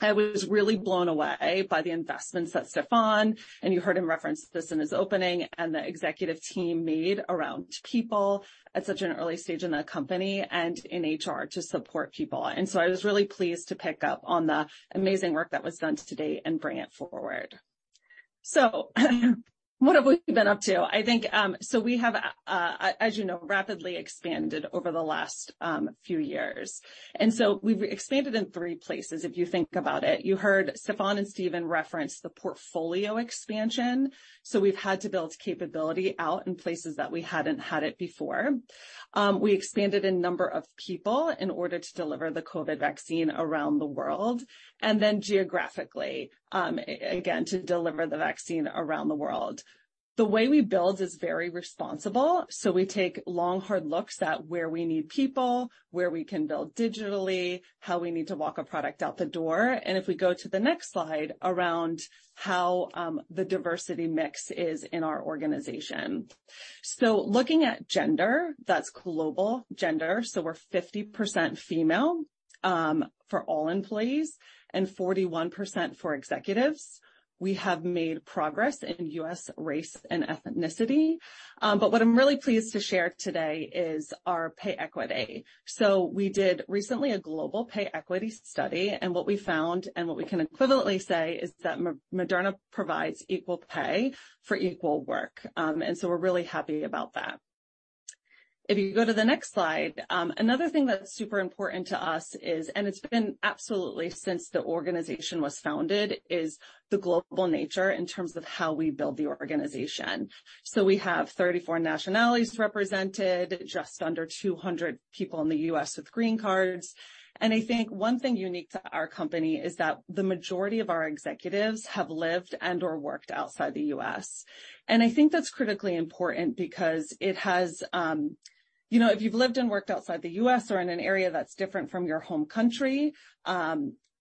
I was really blown away by the investments that Stéphane, and you heard him reference this in his opening, and the executive team made around people at such an early stage in the company and in HR to support people. I was really pleased to pick up on the amazing work that was done today and bring it forward. What have we been up to? I think we have, as you know, rapidly expanded over the last few years. We've expanded in three places, if you think about it. You heard Stéphane and Stephen reference the portfolio expansion, so we've had to build capability out in places that we hadn't had it before. We expanded in number of people in order to deliver the COVID vaccine around the world, and then geographically, again, to deliver the vaccine around the world. The way we build is very responsible, so we take long, hard looks at where we need people, where we can build digitally, how we need to walk a product out the door, and if we go to the next slide, around how the diversity mix is in our organization. Looking at gender, that's global gender, so we're 50% female for all employees and 41% for executives. We have made progress in U.S. race and ethnicity. What I'm really pleased to share today is our pay equity. We recently did a global pay equity study, and what we found, and what we can equivalently say, is that Moderna provides equal pay for equal work. We're really happy about that. If you go to the next slide. Another thing that's super important to us is, and it's been absolutely since the organization was founded, the global nature in terms of how we build the organization. We have 34 nationalities represented, just under 200 people in the U.S. with green cards. I think one thing unique to our company is that the majority of our executives have lived and/or worked outside the U.S.. I think that's critically important because it has, you know, if you've lived and worked outside the U.S. or in an area that's different from your home country,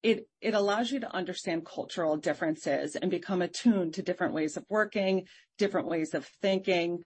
it allows you to understand cultural differences and become attuned to different ways of working, different ways of thinking.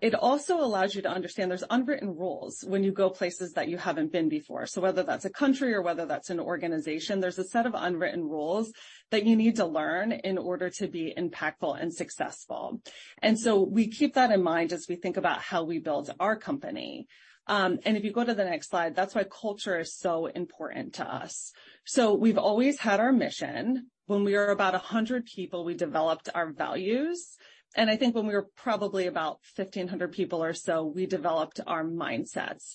It also allows you to understand there's unwritten rules when you go places that you haven't been before. Whether that's a country or whether that's an organization, there's a set of unwritten rules that you need to learn in order to be impactful and successful. We keep that in mind as we think about how we build our company. If you go to the next slide, that's why culture is so important to us. We've always had our mission. When we were about 100 people, we developed our values, and I think when we were probably about 1,500 people or so, we developed our mindsets.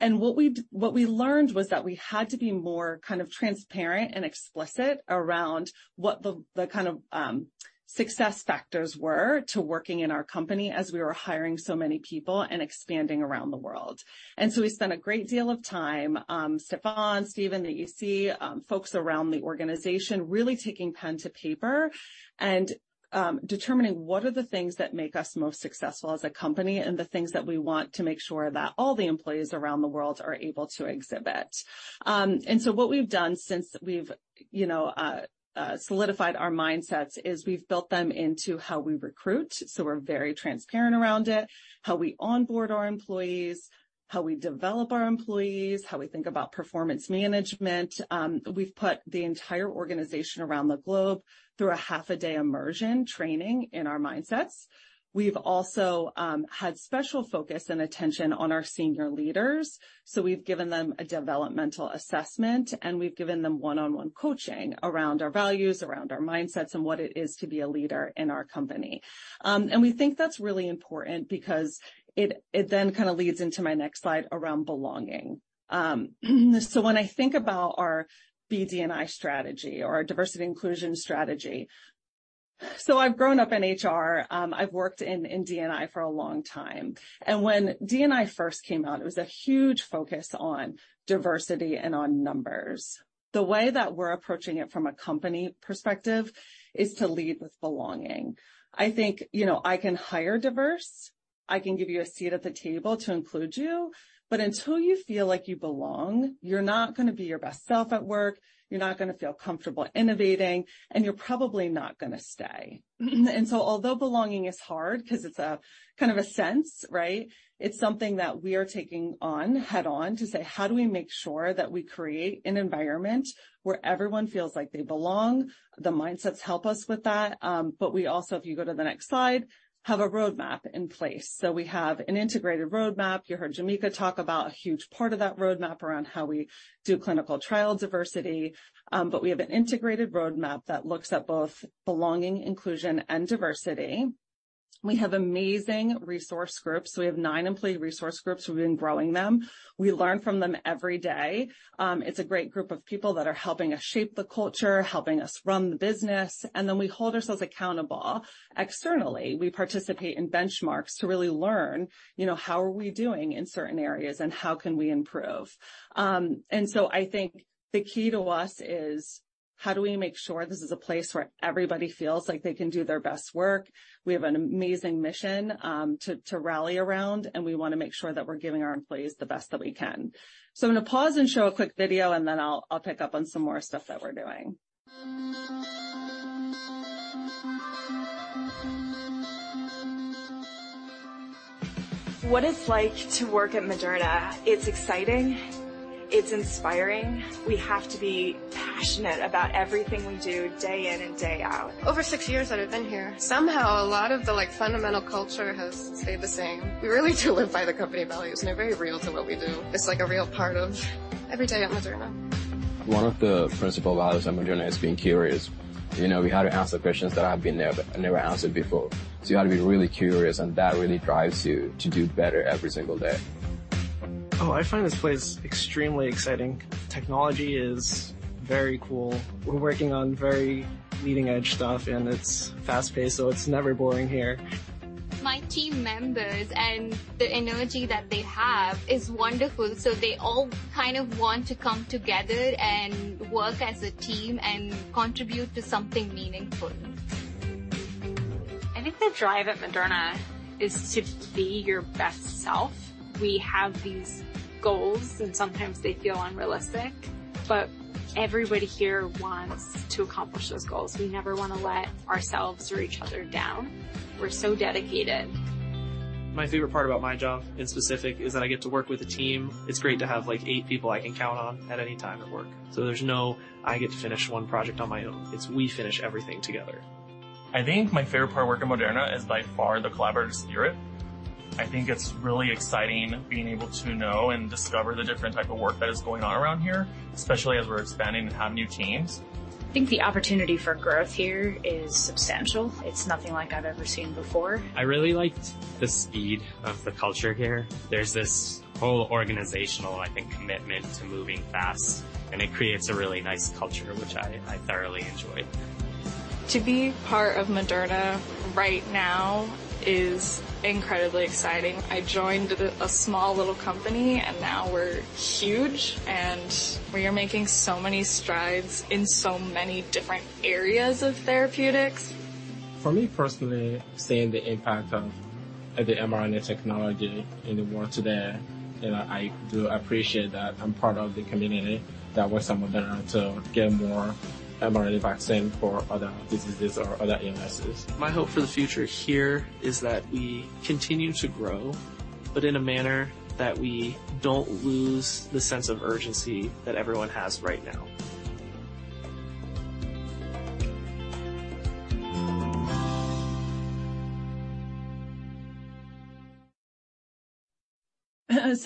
What we learned was that we had to be more kind of transparent and explicit around what the kind of success factors were to working in our company as we were hiring so many people and expanding around the world. We spent a great deal of time, Stéphane, Stephen, the EC, folks around the organization, really taking pen to paper and determining what are the things that make us most successful as a company and the things that we want to make sure that all the employees around the world are able to exhibit. What we've done since we've, you know, solidified our mindsets is we've built them into how we recruit, so we're very transparent around it, how we onboard our employees, how we develop our employees, how we think about performance management. We've put the entire organization around the globe through a half-a-day immersion training in our mindsets. We've also had special focus and attention on our senior leaders, so we've given them a developmental assessment, and we've given them one-on-one coaching around our values, around our mindsets, and what it is to be a leader in our company. We think that's really important because it then kinda leads into my next slide around belonging. When I think about our BD&I strategy or our diversity & inclusion strategy. I've grown up in HR. I've worked in D&I for a long time, and when D&I first came out, it was a huge focus on diversity and on numbers. The way that we're approaching it from a company perspective is to lead with belonging. I think, you know, I can hire diverse, I can give you a seat at the table to include you, but until you feel like you belong, you're not gonna be your best self at work, you're not gonna feel comfortable innovating, and you're probably not gonna stay. Although belonging is hard 'cause it's a kind of a sense, right? It's something that we are taking on, head-on, to say, "How do we make sure that we create an environment where everyone feels like they belong?" The mindsets help us with that, but we also, if you go to the next slide, have a roadmap in place. We have an integrated roadmap. You heard Jameka talk about a huge part of that roadmap around how we do clinical trial diversity. But we have an integrated roadmap that looks at both belonging, inclusion, and diversity. We have amazing resource groups. We have nine employee resource groups. We've been growing them. We learn from them every day. It's a great group of people that are helping us shape the culture, helping us run the business, and then we hold ourselves accountable externally. We participate in benchmarks to really learn, you know, how are we doing in certain areas, and how can we improve? I think the key to us is how do we make sure this is a place where everybody feels like they can do their best work? We have an amazing mission to rally around, and we wanna make sure that we're giving our employees the best that we can. I'm gonna pause and show a quick video, and then I'll pick up on some more stuff that we're doing. What it's like to work at Moderna? It's exciting. It's inspiring. We have to be passionate about everything we do day in and day out. Over six years that I've been here, somehow a lot of the, like, fundamental culture has stayed the same. We really do live by the company values, and they're very real to what we do. It's like a real part of every day at Moderna. One of the principal values at Moderna is being curious. You know, we have to ask the questions that have been there but never answered before. You gotta be really curious, and that really drives you to do better every single day. Oh, I find this place extremely exciting. Technology is very cool. We're working on very leading-edge stuff, and it's fast-paced, so it's never boring here. My team members and the energy that they have is wonderful, so they all kind of want to come together and work as a team and contribute to something meaningful. I think the drive at Moderna is to be your best self. We have these goals, and sometimes they feel unrealistic, but everybody here wants to accomplish those goals. We never wanna let ourselves or each other down. We're so dedicated. My favorite part about my job in specific is that I get to work with a team. It's great to have, like, eight people I can count on at any time at work. So there's no, "I get to finish one project on my own." It's, "We finish everything together." I think my favorite part of working at Moderna is by far the collaborative spirit. I think it's really exciting being able to know and discover the different type of work that is going on around here, especially as we're expanding and have new teams. I think the opportunity for growth here is substantial. It's nothing like I've ever seen before. I really liked the speed of the culture here. There's this whole organizational, I think, commitment to moving fast, and it creates a really nice culture, which I thoroughly enjoy. To be part of Moderna right now is incredibly exciting. I joined a small little company, and now we're huge, and we are making so many strides in so many different areas of therapeutics. For me, personally, seeing the impact of the mRNA technology in the world today, you know, I do appreciate that I'm part of the community that works at Moderna to get more mRNA vaccine for other diseases or other illnesses. My hope for the future here is that we continue to grow, but in a manner that we don't lose the sense of urgency that everyone has right now.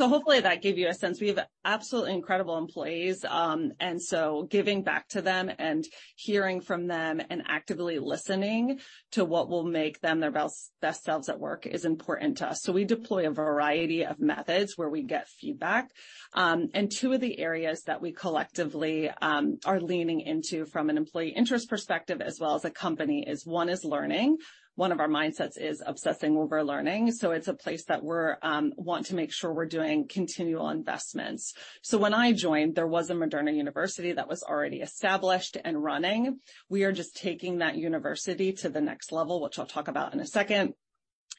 Hopefully that gave you a sense. We have absolutely incredible employees, and so giving back to them and hearing from them and actively listening to what will make them their best selves at work is important to us. We deploy a variety of methods where we get feedback. Two of the areas that we collectively are leaning into from an employee interest perspective as well as a company is, one is learning. One of our mindsets is obsessing over learning, so it's a place that we're want to make sure we're doing continual investments. When I joined, there was a Moderna University that was already established and running. We are just taking that university to the next level, which I'll talk about in a second.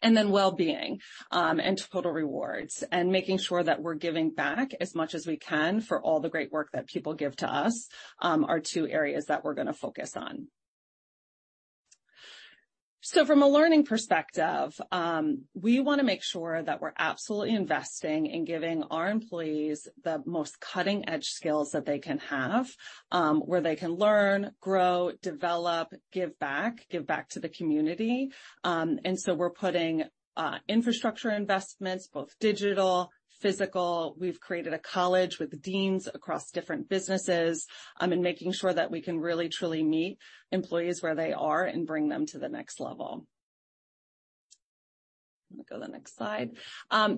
Well-being and total rewards, and making sure that we're giving back as much as we can for all the great work that people give to us, are two areas that we're gonna focus on. From a learning perspective, we want to make sure that we're absolutely investing in giving our employees the most cutting-edge skills that they can have, where they can learn, grow, develop, give back to the community. We're putting infrastructure investments, both digital, physical. We've created a college with deans across different businesses, and making sure that we can really, truly meet employees where they are and bring them to the next level. Let me go to the next slide.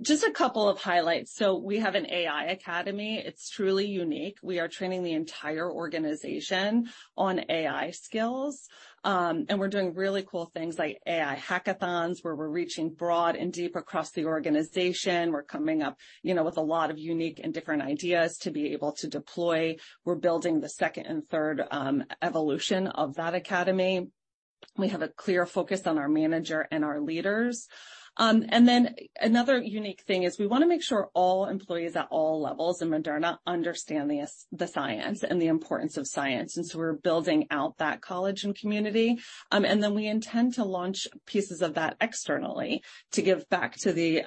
Just a couple of highlights. We have an AI Academy. It's truly unique. We are training the entire organization on AI skills. We're doing really cool things like AI hackathons, where we're reaching broad and deep across the organization. We're coming up, you know, with a lot of unique and different ideas to be able to deploy. We're building the second and third evolution of that academy. We have a clear focus on our manager and our leaders. Another unique thing is we wanna make sure all employees at all levels in Moderna understand the science and the importance of science, and we're building out that college and community. We intend to launch pieces of that externally to give back to the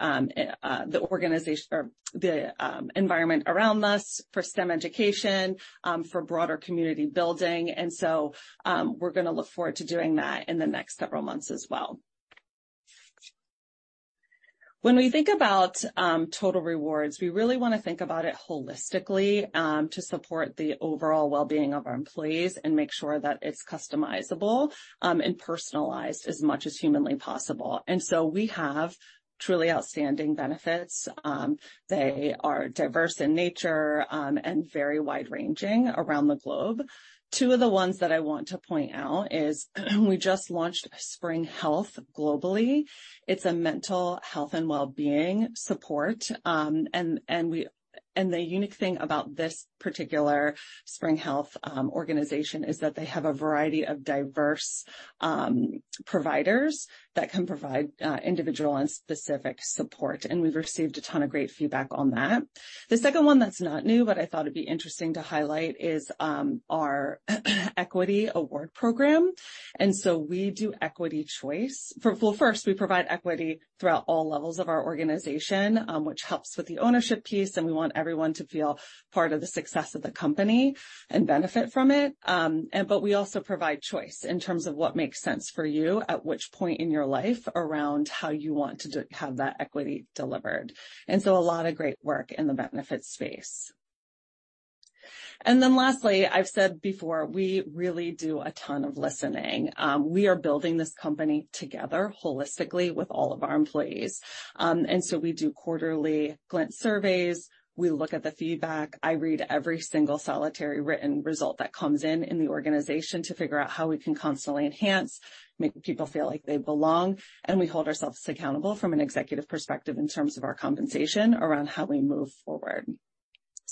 organization or the environment around us for STEM education, for broader community building, and we're gonna look forward to doing that in the next several months as well. When we think about total rewards, we really wanna think about it holistically to support the overall well-being of our employees and make sure that it's customizable and personalized as much as humanly possible. We have truly outstanding benefits. They are diverse in nature and very wide-ranging around the globe. Two of the ones that I want to point out is we just launched Spring Health globally. It's a mental health and well-being support. The unique thing about this particular Spring Health organization is that they have a variety of diverse providers that can provide individual and specific support, and we've received a ton of great feedback on that. The second one that's not new but I thought it'd be interesting to highlight is our equity award program. We do equity choice. Well, first, we provide equity throughout all levels of our organization, which helps with the ownership piece, and we want everyone to feel part of the success of the company and benefit from it. We also provide choice in terms of what makes sense for you, at which point in your life around how you want to have that equity delivered. A lot of great work in the benefits space. Lastly, I've said before, we really do a ton of listening. We are building this company together holistically with all of our employees. We do quarterly Glint surveys. We look at the feedback. I read every single solitary written result that comes in in the organization to figure out how we can constantly enhance, make people feel like they belong, and we hold ourselves accountable from an executive perspective in terms of our compensation around how we move forward.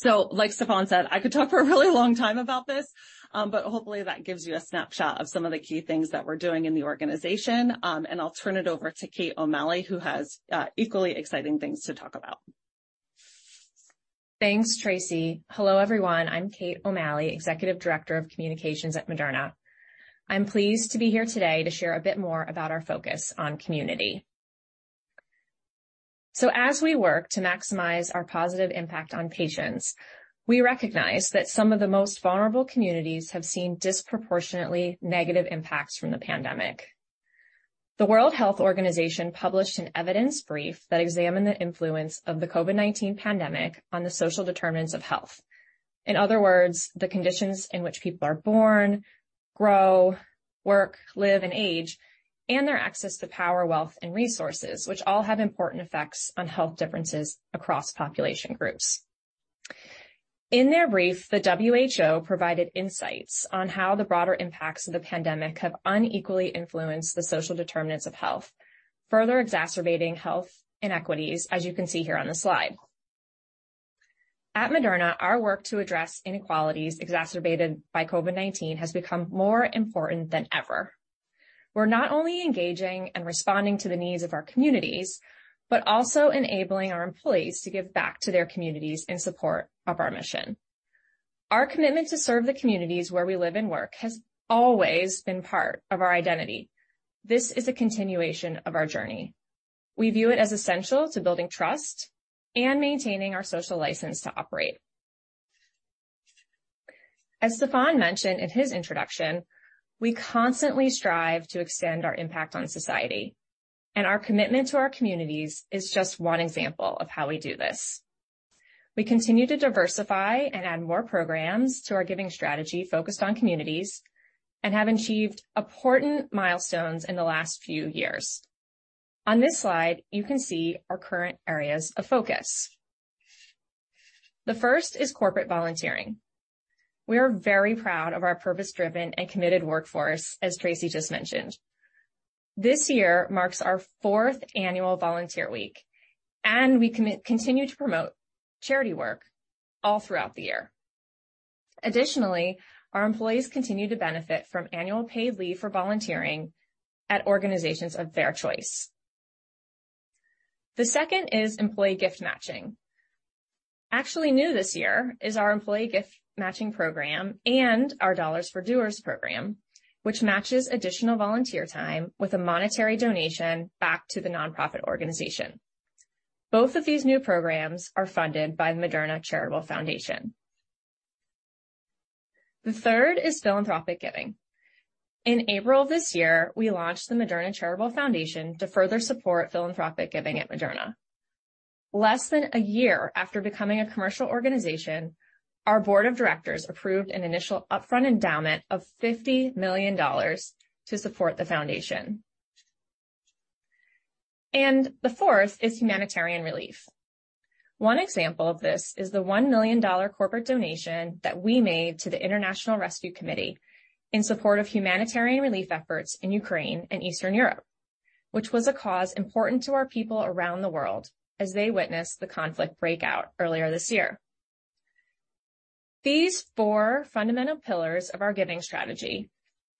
Like Stéphane said, I could talk for a really long time about this, but hopefully that gives you a snapshot of some of the key things that we're doing in the organization. I'll turn it over to Kate O'Malley, who has equally exciting things to talk about. Thanks, Tracey. Hello, everyone. I'm Kate O'Malley, Executive Director of Communications at Moderna. I'm pleased to be here today to share a bit more about our focus on community. As we work to maximize our positive impact on patients, we recognize that some of the most vulnerable communities have seen disproportionately negative impacts from the pandemic. The World Health Organization published an evidence brief that examined the influence of the COVID-19 pandemic on the social determinants of health. In other words, the conditions in which people are born, grow, work, live, and age, and their access to power, wealth, and resources, which all have important effects on health differences across population groups. In their brief, the WHO provided insights on how the broader impacts of the pandemic have unequally influenced the social determinants of health, further exacerbating health inequities, as you can see here on the slide. At Moderna, our work to address inequalities exacerbated by COVID-19 has become more important than ever. We're not only engaging and responding to the needs of our communities, but also enabling our employees to give back to their communities in support of our mission. Our commitment to serve the communities where we live and work has always been part of our identity. This is a continuation of our journey. We view it as essential to building trust and maintaining our social license to operate. As Stéphane mentioned in his introduction, we constantly strive to extend our impact on society, and our commitment to our communities is just one example of how we do this. We continue to diversify and add more programs to our giving strategy focused on communities and have achieved important milestones in the last few years. On this slide, you can see our current areas of focus. The first is corporate volunteering. We are very proud of our purpose-driven and committed workforce, as Tracey just mentioned. This year marks our fourth annual volunteer week, and we continue to promote charity work all throughout the year. Additionally, our employees continue to benefit from annual paid leave for volunteering at organizations of their choice. The second is employee gift matching. Actually new this year, is our employee gift matching program and our Dollars for Doers program, which matches additional volunteer time with a monetary donation back to the nonprofit organization. Both of these new programs are funded by Moderna Charitable Foundation. The third is philanthropic giving. In April this year, we launched the Moderna Charitable Foundation to further support philanthropic giving at Moderna. Less than a year after becoming a commercial organization, our board of directors approved an initial upfront endowment of $50 million to support the foundation. The fourth is humanitarian relief. One example of this is the $1 million corporate donation that we made to the International Rescue Committee in support of humanitarian relief efforts in Ukraine and Eastern Europe, which was a cause important to our people around the world as they witnessed the conflict breakout earlier this year. These four fundamental pillars of our giving strategy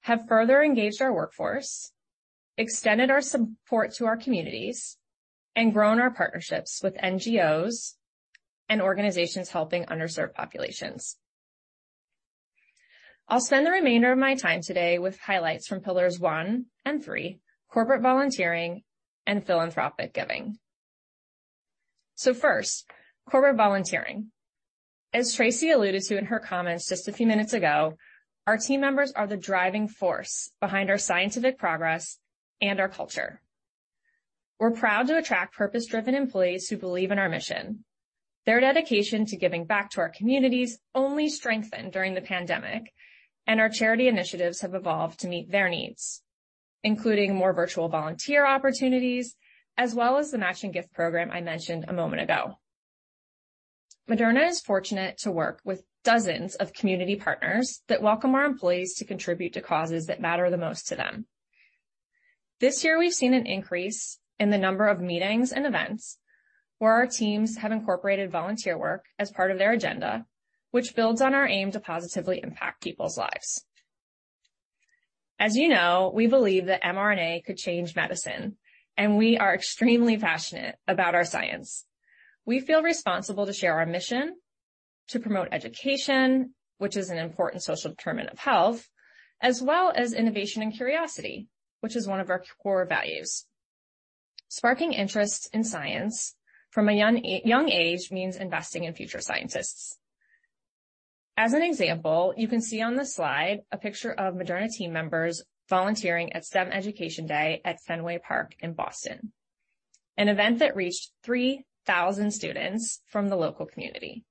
have further engaged our workforce, extended our support to our communities, and grown our partnerships with NGOs and organizations helping underserved populations. I'll spend the remainder of my time today with highlights from pillars one and three, corporate volunteering and philanthropic giving. First, corporate volunteering. As Tracey alluded to in her comments just a few minutes ago, our team members are the driving force behind our scientific progress and our culture. We're proud to attract purpose-driven employees who believe in our mission. Their dedication to giving back to our communities only strengthened during the pandemic, and our charity initiatives have evolved to meet their needs, including more virtual volunteer opportunities, as well as the matching gift program I mentioned a moment ago. Moderna is fortunate to work with dozens of community partners that welcome our employees to contribute to causes that matter the most to them. This year we've seen an increase in the number of meetings and events where our teams have incorporated volunteer work as part of their agenda, which builds on our aim to positively impact people's lives. As you know, we believe that mRNA could change medicine, and we are extremely passionate about our science. We feel responsible to share our mission, to promote education, which is an important social determinant of health, as well as innovation and curiosity, which is one of our core values. Sparking interest in science from a young age means investing in future scientists. As an example, you can see on the slide a picture of Moderna team members volunteering at STEM Education Day at Fenway Park in Boston, an event that reached 3,000 students from the local community.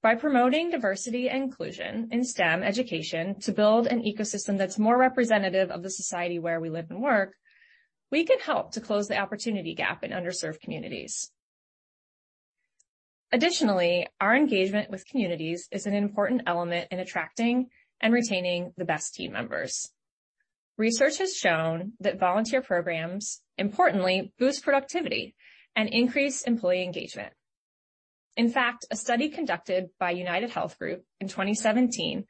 By promoting diversity and inclusion in STEM education to build an ecosystem that's more representative of the society where we live and work, we can help to close the opportunity gap in underserved communities. Additionally, our engagement with communities is an important element in attracting and retaining the best team members. Research has shown that volunteer programs importantly boost productivity and increase employee engagement. In fact, a study conducted by UnitedHealth Group in 2017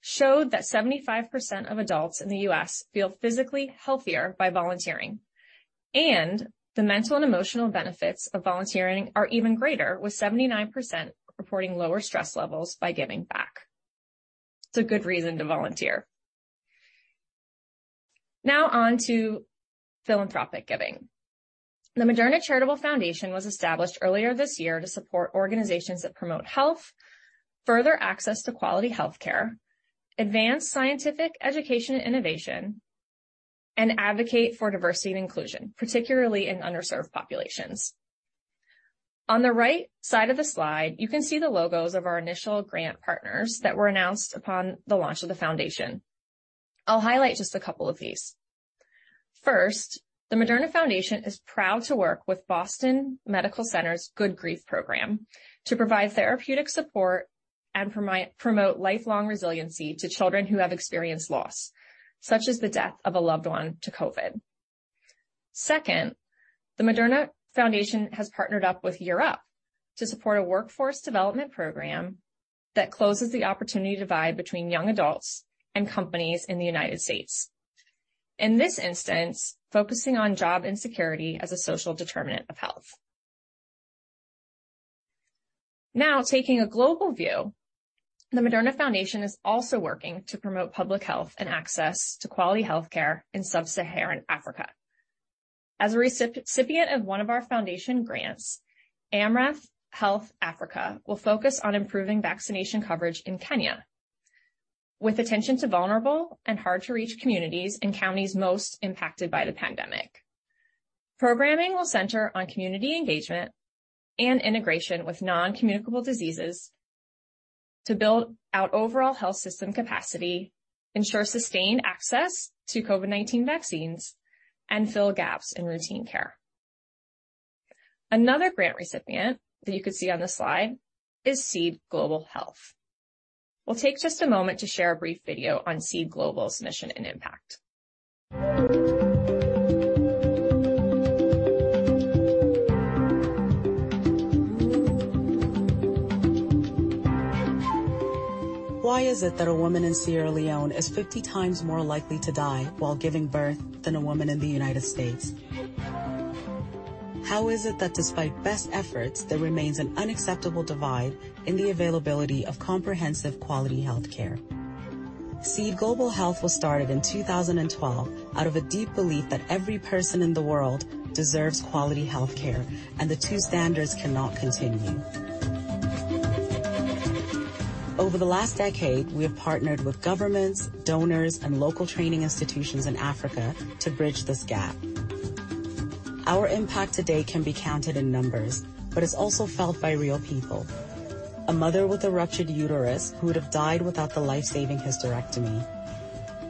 showed that 75% of adults in the U.S. feel physically healthier by volunteering. The mental and emotional benefits of volunteering are even greater, with 79% reporting lower stress levels by giving back. It's a good reason to volunteer. Now on to philanthropic giving. The Moderna Charitable Foundation was established earlier this year to support organizations that promote health, further access to quality healthcare, advance scientific education and innovation, and advocate for diversity and inclusion, particularly in underserved populations. On the right side of the slide, you can see the logos of our initial grant partners that were announced upon the launch of the foundation. I'll highlight just a couple of these. First, the Moderna Foundation is proud to work with Boston Medical Center's Good Grief Program to provide therapeutic support and promote lifelong resiliency to children who have experienced loss, such as the death of a loved one to COVID. Second, the Moderna Foundation has partnered up with Year Up to support a workforce development program that closes the opportunity divide between young adults and companies in the United States. In this instance, focusing on job insecurity as a social determinant of health. Now taking a global view, the Moderna Foundation is also working to promote public health and access to quality healthcare in sub-Saharan Africa. As a recipient of one of our foundation grants, Amref Health Africa will focus on improving vaccination coverage in Kenya with attention to vulnerable and hard-to-reach communities and counties most impacted by the pandemic. Programming will center on community engagement and integration with non-communicable diseases to build out overall health system capacity, ensure sustained access to COVID-19 vaccines, and fill gaps in routine care. Another grant recipient that you can see on the slide is Seed Global Health. We'll take just a moment to share a brief video on Seed Global Health's mission and impact. Why is it that a woman in Sierra Leone is 50 times more likely to die while giving birth than a woman in the United States? How is it that despite best efforts, there remains an unacceptable divide in the availability of comprehensive quality health care? Seed Global Health was started in 2012 out of a deep belief that every person in the world deserves quality health care and the two standards cannot continue. Over the last decade, we have partnered with governments, donors, and local training institutions in Africa to bridge this gap. Our impact today can be counted in numbers, but it's also felt by real people. A mother with a ruptured uterus who would have died without the life-saving hysterectomy.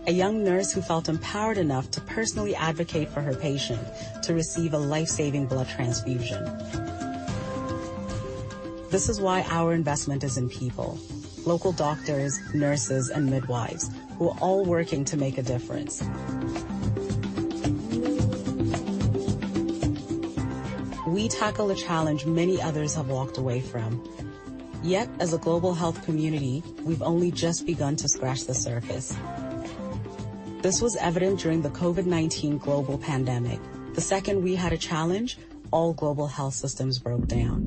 A young nurse who felt empowered enough to personally advocate for her patient to receive a life-saving blood transfusion. This is why our investment is in people, local doctors, nurses, and midwives who are all working to make a difference. We tackle a challenge many others have walked away from. Yet as a global health community, we've only just begun to scratch the surface. This was evident during the COVID-19 global pandemic. The second we had a challenge, all global health systems broke down.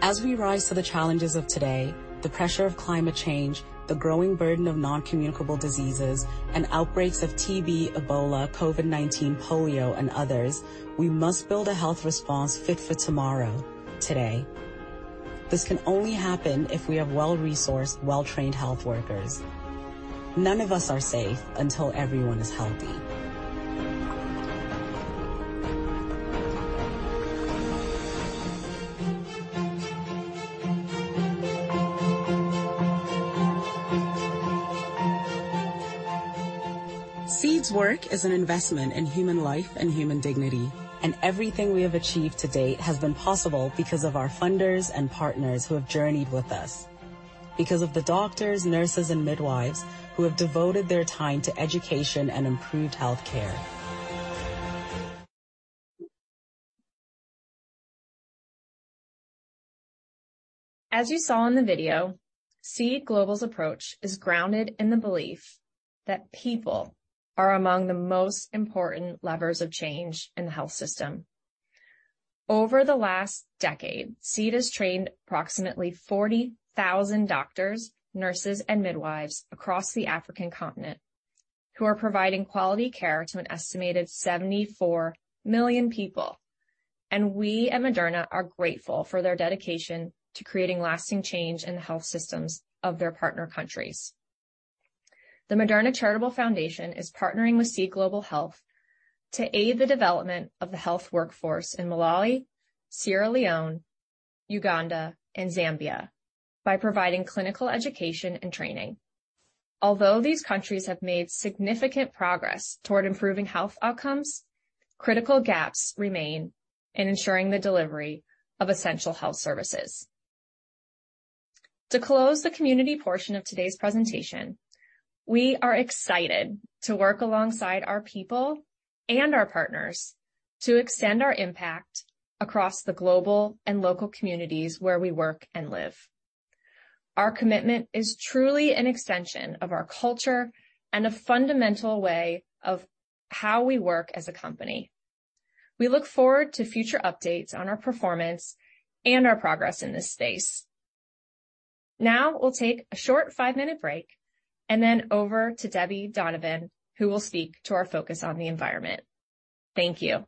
As we rise to the challenges of today, the pressure of climate change, the growing burden of non-communicable diseases, and outbreaks of TB, Ebola, COVID-19, polio, and others, we must build a health response fit for tomorrow, today. This can only happen if we have well-resourced, well-trained health workers. None of us are safe until everyone is healthy. Seed's work is an investment in human life and human dignity, and everything we have achieved to date has been possible because of our funders and partners who have journeyed with us. Because of the doctors, nurses, and midwives who have devoted their time to education and improved health care. As you saw in the video, Seed Global Health's approach is grounded in the belief that people are among the most important levers of change in the health system. Over the last decade, Seed has trained approximately 40,000 doctors, nurses, and midwives across the African continent who are providing quality care to an estimated 74 million people. We at Moderna are grateful for their dedication to creating lasting change in the health systems of their partner countries. The Moderna Charitable Foundation is partnering with Seed Global Health to aid the development of the health workforce in Malawi, Sierra Leone, Uganda, and Zambia by providing clinical education and training. Although these countries have made significant progress toward improving health outcomes, critical gaps remain in ensuring the delivery of essential health services. To close the community portion of today's presentation, we are excited to work alongside our people and our partners to extend our impact across the global and local communities where we work and live. Our commitment is truly an extension of our culture and a fundamental way of how we work as a company. We look forward to future updates on our performance and our progress in this space. Now we'll take a short five-minute break and then over to Debbie Donovan, who will speak to our focus on the environment. Thank you.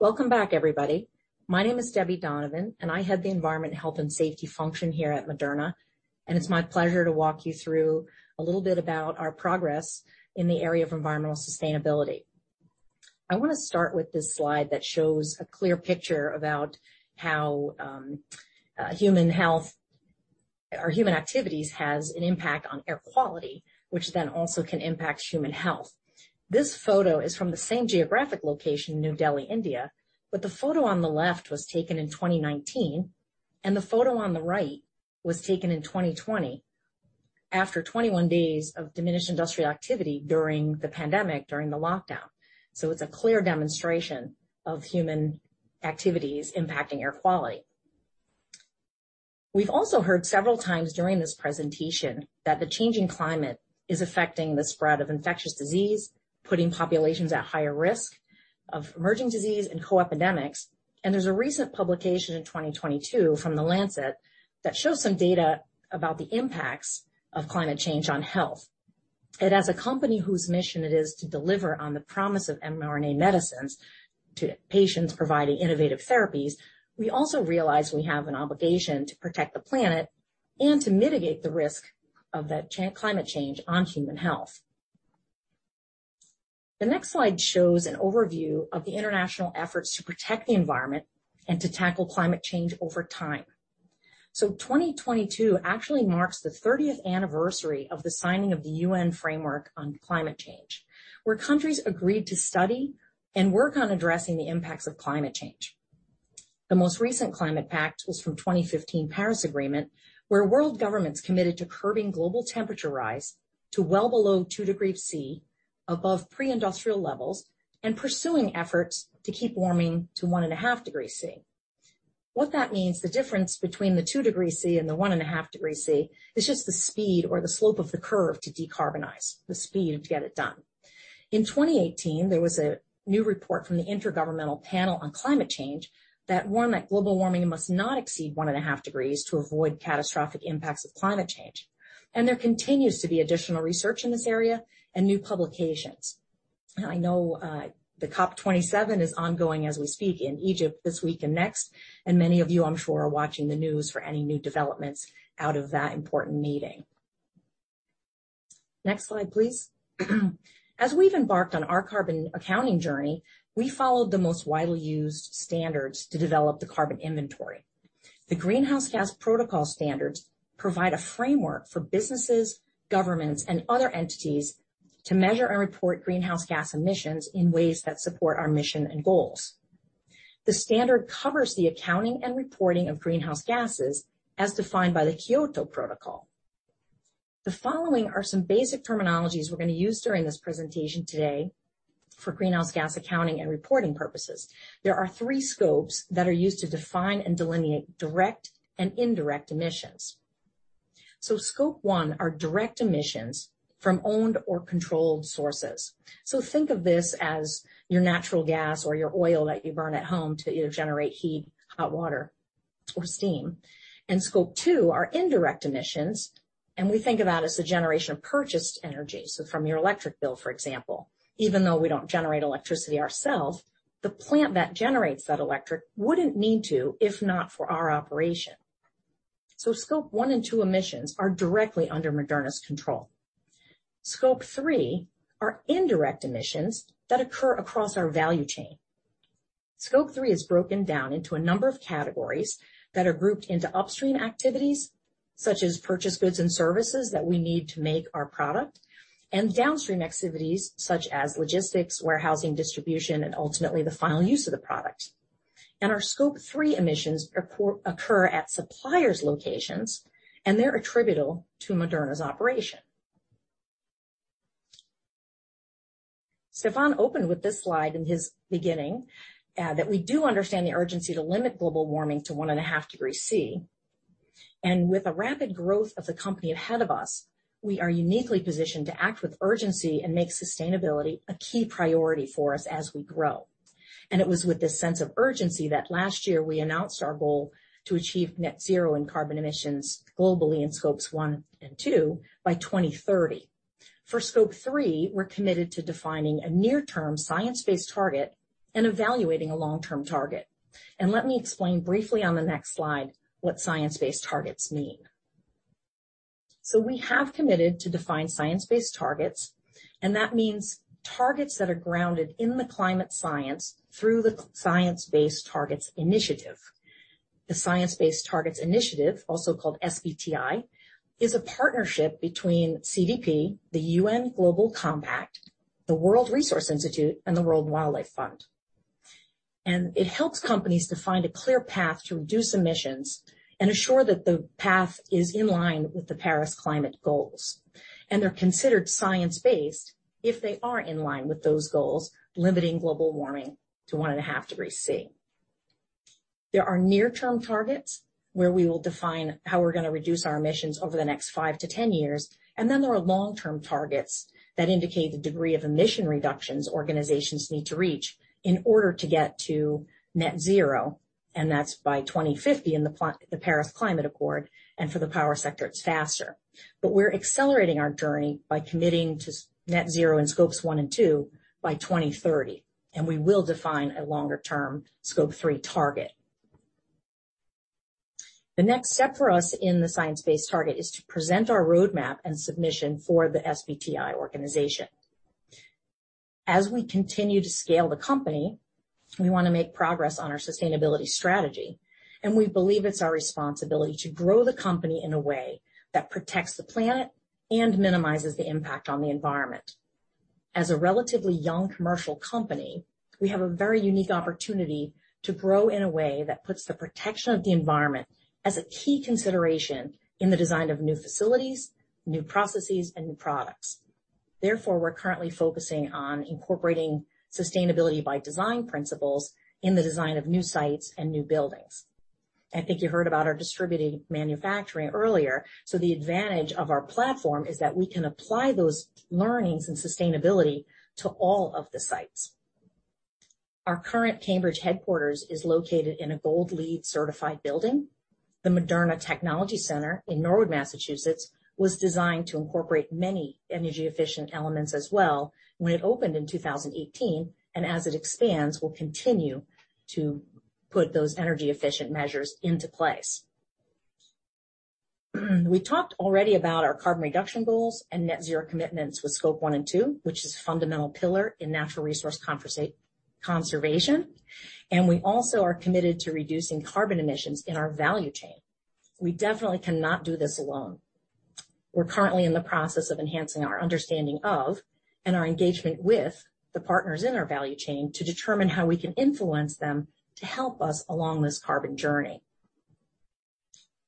Welcome back everybody. My name is Debbie Donovan, and I head the Environment, Health and Safety function here at Moderna. It's my pleasure to walk you through a little bit about our progress in the area of environmental sustainability. I wanna start with this slide that shows a clear picture about how human health or human activities has an impact on air quality, which then also can impact human health. This photo is from the same geographic location, New Delhi, India, but the photo on the left was taken in 2019, and the photo on the right was taken in 2020, after 21 days of diminished industrial activity during the pandemic, during the lockdown. It's a clear demonstration of human activities impacting air quality. We've also heard several times during this presentation that the changing climate is affecting the spread of infectious disease, putting populations at higher risk of emerging disease and co-epidemics. There's a recent publication in 2022 from The Lancet that shows some data about the impacts of climate change on health. As a company whose mission it is to deliver on the promise of mRNA medicines to patients providing innovative therapies, we also realize we have an obligation to protect the planet and to mitigate the risk of that climate change on human health. The next slide shows an overview of the international efforts to protect the environment and to tackle climate change over time. 2022 actually marks the 30th anniversary of the signing of the UN Framework on Climate Change, where countries agreed to study and work on addressing the impacts of climate change. The most recent climate pact was from 2015 Paris Agreement, where world governments committed to curbing global temperature rise to well below two degrees Celsius above pre-industrial levels and pursuing efforts to keep warming to 1.5 degrees Celsius. What that means, the difference between the two degrees Celsius and the 1.5 degrees Celsius is just the speed or the slope of the curve to decarbonize, the speed to get it done. In 2018, there was a new report from the Intergovernmental Panel on Climate Change that warned that global warming must not exceed 1.5 degrees to avoid catastrophic impacts of climate change. There continues to be additional research in this area and new publications. I know, the COP27 is ongoing as we speak in Egypt this week and next, and many of you, I'm sure, are watching the news for any new developments out of that important meeting. Next slide, please. As we've embarked on our carbon accounting journey, we followed the most widely used standards to develop the carbon inventory. The Greenhouse Gas Protocol standards provide a framework for businesses, governments, and other entities to measure and report greenhouse gas emissions in ways that support our mission and goals. The standard covers the accounting and reporting of greenhouse gases as defined by the Kyoto Protocol. The following are some basic terminologies we're gonna use during this presentation today for greenhouse gas accounting and reporting purposes. There are three scopes that are used to define and delineate direct and indirect emissions. Scope 1 are direct emissions from owned or controlled sources. Think of this as your natural gas or your oil that you burn at home to either generate heat, hot water, or steam. Scope 2 are indirect emissions, and we think of as the generation of purchased energy, so from your electric bill, for example. Even though we don't generate electricity ourselves, the plant that generates that electricity wouldn't need to if not for our operation. Scope 1 and 2 emissions are directly under Moderna's control. Scope 3 are indirect emissions that occur across our value chain. Scope 3 is broken down into a number of categories that are grouped into upstream activities, such as purchased goods and services that we need to make our product, and downstream activities such as logistics, warehousing, distribution, and ultimately, the final use of the product. Our Scope 3 emissions occur at suppliers' locations, and they're attributable to Moderna's operation. Stéphane opened with this slide in his beginning that we do understand the urgency to limit global warming to 1.5 degrees Celsius. With the rapid growth of the company ahead of us, we are uniquely positioned to act with urgency and make sustainability a key priority for us as we grow. It was with the sense of urgency that last year we announced our goal to achieve net zero in carbon emissions globally in Scopes 1 and 2 by 2030. For Scope 3, we're committed to defining a near-term science-based target and evaluating a long-term target. Let me explain briefly on the next slide what science-based targets mean. We have committed to define science-based targets, and that means targets that are grounded in the climate science through the Science Based Targets initiative. The Science Based Targets initiative, also called SBTi, is a partnership between CDP, the UN Global Compact, the World Resources Institute, and the World Wildlife Fund. It helps companies to find a clear path to reduce emissions and ensure that the path is in line with the Paris climate goals. They're considered science-based if they are in line with those goals, limiting global warming to 1.5 degrees Celsius. There are near-term targets where we will define how we're gonna reduce our emissions over the next five to 10 years. Then there are long-term targets that indicate the degree of emission reductions organizations need to reach in order to get to net zero. That's by 2050 in the Paris Climate Accord, and for the power sector, it's faster. We're accelerating our journey by committing to net zero in Scope 1 and Scope 2 by 2030, and we will define a longer-term Scope 3 target. The next step for us in the science-based target is to present our roadmap and submission for the SBTi organization. As we continue to scale the company, we wanna make progress on our sustainability strategy, and we believe it's our responsibility to grow the company in a way that protects the planet and minimizes the impact on the environment. As a relatively young commercial company, we have a very unique opportunity to grow in a way that puts the protection of the environment as a key consideration in the design of new facilities, new processes, and new products. Therefore, we're currently focusing on incorporating sustainability by design principles in the design of new sites and new buildings. I think you heard about our distributed manufacturing earlier. The advantage of our platform is that we can apply those learnings in sustainability to all of the sites. Our current Cambridge headquarters is located in a Gold LEED certified building. The Moderna Technology Center in Norwood, Massachusetts, was designed to incorporate many energy-efficient elements as well when it opened in 2018, and as it expands, we'll continue to put those energy-efficient measures into place. We talked already about our carbon reduction goals and net zero commitments with Scope 1 and 2, which is a fundamental pillar in natural resource conservation, and we also are committed to reducing carbon emissions in our value chain. We definitely cannot do this alone. We're currently in the process of enhancing our understanding of and our engagement with the partners in our value chain to determine how we can influence them to help us along this carbon journey.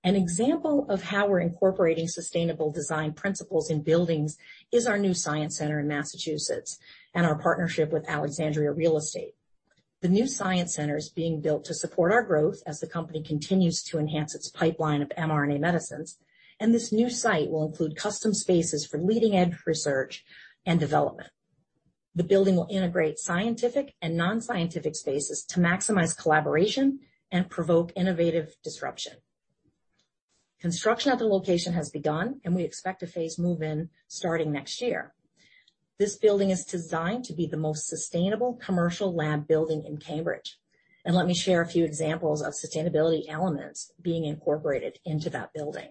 An example of how we're incorporating sustainable design principles in buildings is our new science center in Massachusetts and our partnership with Alexandria Real Estate. The new science center is being built to support our growth as the company continues to enhance its pipeline of mRNA medicines, and this new site will include custom spaces for leading-edge research and development. The building will integrate scientific and non-scientific spaces to maximize collaboration and provoke innovative disruption. Construction at the location has begun, and we expect a phased move-in starting next year. This building is designed to be the most sustainable commercial lab building in Cambridge. Let me share a few examples of sustainability elements being incorporated into that building.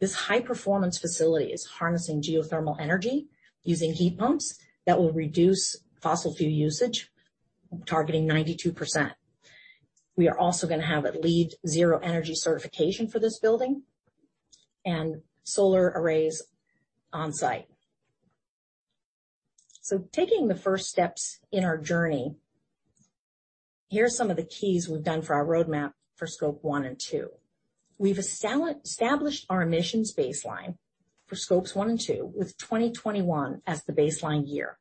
This high-performance facility is harnessing geothermal energy using heat pumps that will reduce fossil fuel usage, targeting 92%. We are also gonna have a LEED Zero energy certification for this building and solar arrays on-site. Taking the first steps in our journey, here are some of the keys we've done for our roadmap for Scope 1 and 2. We've established our emissions baseline for Scopes 1 and 2, with 2021 as the baseline year.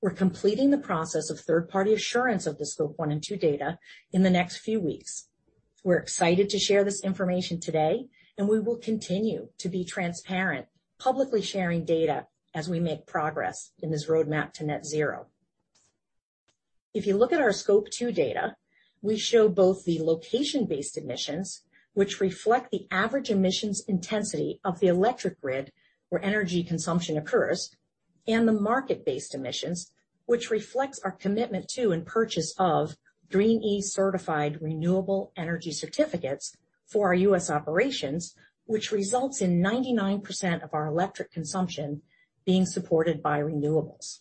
We're completing the process of third-party assurance of the Scope 1 and 2 data in the next few weeks. We're excited to share this information today, and we will continue to be transparent, publicly sharing data as we make progress in this roadmap to net zero. If you look at our Scope 2 data, we show both the location-based emissions, which reflect the average emissions intensity of the electric grid where energy consumption occurs, and the market-based emissions, which reflects our commitment to and purchase of Green-e certified renewable energy certificates for our U.S. operations, which results in 99% of our electric consumption being supported by renewables.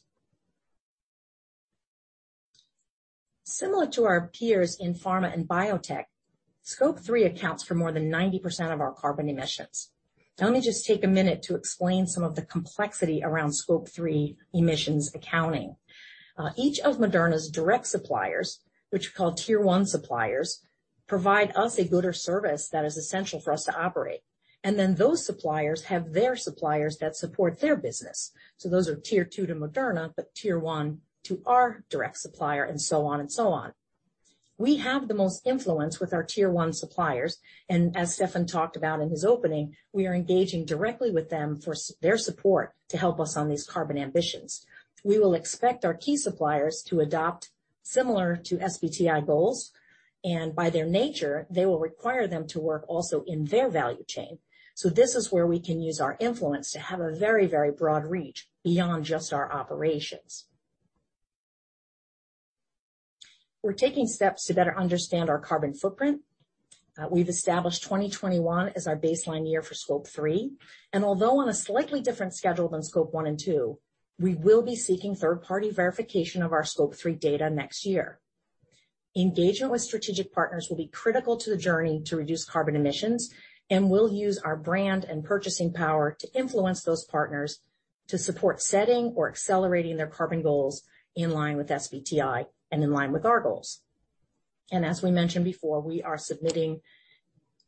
Similar to our peers in pharma and biotech, Scope 3 accounts for more than 90% of our carbon emissions. Let me just take a minute to explain some of the complexity around Scope 3 emissions accounting. Each of Moderna's direct suppliers, which we call tier one suppliers, provide us a good or service that is essential for us to operate. Those suppliers have their suppliers that support their business. Those are tier two to Moderna, but tier one to our direct supplier and so on and so on. We have the most influence with our tier one suppliers, and as Stéphane talked about in his opening, we are engaging directly with them for their support to help us on these carbon ambitions. We will expect our key suppliers to adopt similar to SBTi goals, and by their nature, they will require them to work also in their value chain. This is where we can use our influence to have a very, very broad reach beyond just our operations. We're taking steps to better understand our carbon footprint. We've established 2021 as our baseline year for Scope 3, and although on a slightly different schedule than Scope 1 and 2, we will be seeking third-party verification of our Scope 3 data next year. Engagement with strategic partners will be critical to the journey to reduce carbon emissions, and we'll use our brand and purchasing power to influence those partners to support setting or accelerating their carbon goals in line with SBTi and in line with our goals. We mentioned before, we are submitting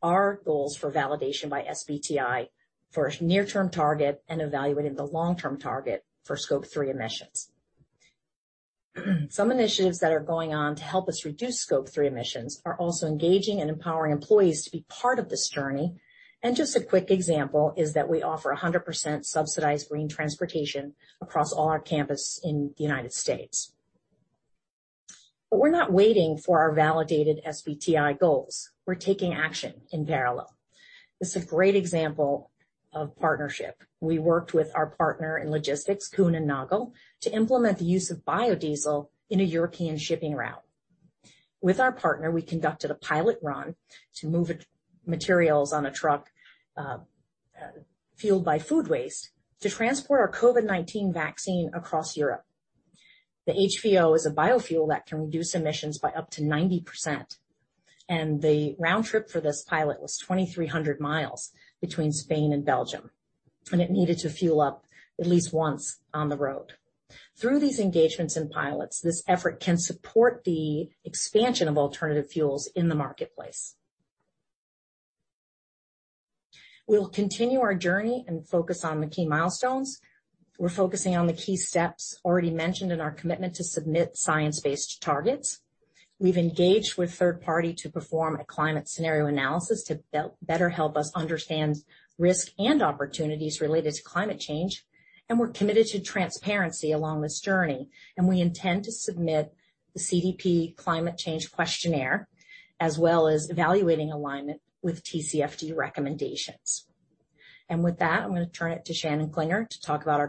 our goals for validation by SBTi for near-term target and evaluating the long-term target for Scope 3 emissions. Some initiatives that are going on to help us reduce Scope 3 emissions are also engaging and empowering employees to be part of this journey. Just a quick example is that we offer 100% subsidized green transportation across all our campus in the United States. We're not waiting for our validated SBTi goals. We're taking action in parallel. This is a great example of partnership. We worked with our partner in logistics, Kuehne + Nagel, to implement the use of biodiesel in a European shipping route. With our partner, we conducted a pilot run to move materials on a truck, fueled by food waste to transport our COVID-19 vaccine across Europe. The HVO is a biofuel that can reduce emissions by up to 90%, and the round trip for this pilot was 2,300 miles between Spain and Belgium, and it needed to fuel up at least once on the road. Through these engagements and pilots, this effort can support the expansion of alternative fuels in the marketplace. We'll continue our journey and focus on the key milestones. We're focusing on the key steps already mentioned in our commitment to submit science-based targets. We've engaged with third party to perform a climate scenario analysis to better help us understand risk and opportunities related to climate change, and we're committed to transparency along this journey, and we intend to submit the CDP climate change questionnaire, as well as evaluating alignment with TCFD recommendations. With that, I'm going to turn it to Shannon Klinger to talk about our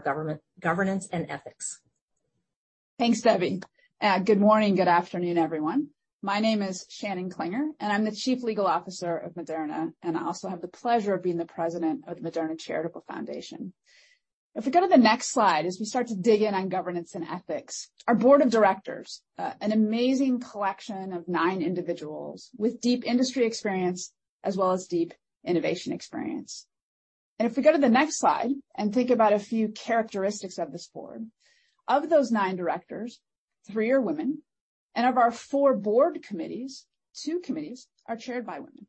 governance and ethics. Thanks, Debbie. Good morning, good afternoon, everyone. My name is Shannon Klinger, and I'm the Chief Legal Officer of Moderna, and I also have the pleasure of being the President of Moderna Charitable Foundation. If we go to the next slide, as we start to dig in on governance and ethics, our board of directors, an amazing collection of nine individuals with deep industry experience as well as deep innovation experience. If we go to the next slide and think about a few characteristics of this board, of those nine directors, three are women. Of our four board committees, two committees are chaired by women.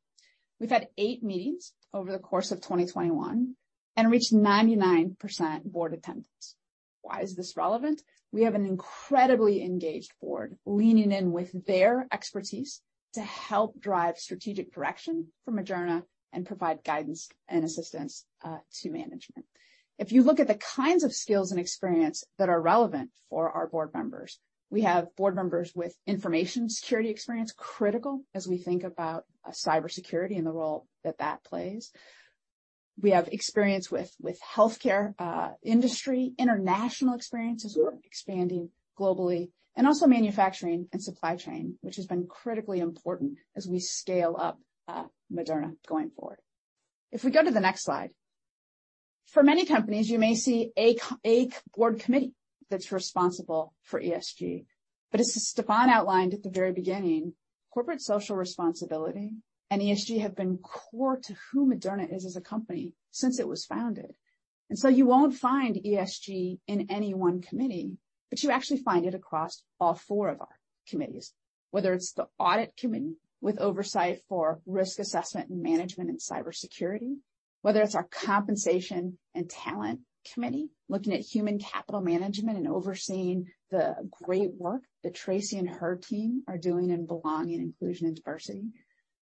We've had eight meetings over the course of 2021 and reached 99% board attendance. Why is this relevant? We have an incredibly engaged board leaning in with their expertise to help drive strategic direction for Moderna and provide guidance and assistance to management. If you look at the kinds of skills and experience that are relevant for our board members, we have board members with information security experience, critical as we think about cybersecurity and the role that plays. We have experience with healthcare industry, international experience as we're expanding globally, and also manufacturing and supply chain, which has been critically important as we scale up Moderna going forward. If we go to the next slide. For many companies, you may see a board committee that's responsible for ESG. But as Stéphane outlined at the very beginning, corporate social responsibility and ESG have been core to who Moderna is as a company since it was founded. You won't find ESG in any one committee, but you actually find it across all four of our committees, whether it's the audit committee with oversight for risk assessment and management in cybersecurity. Whether it's our compensation and talent committee looking at human capital management and overseeing the great work that Tracey and her team are doing in Belonging, Inclusion, and Diversity.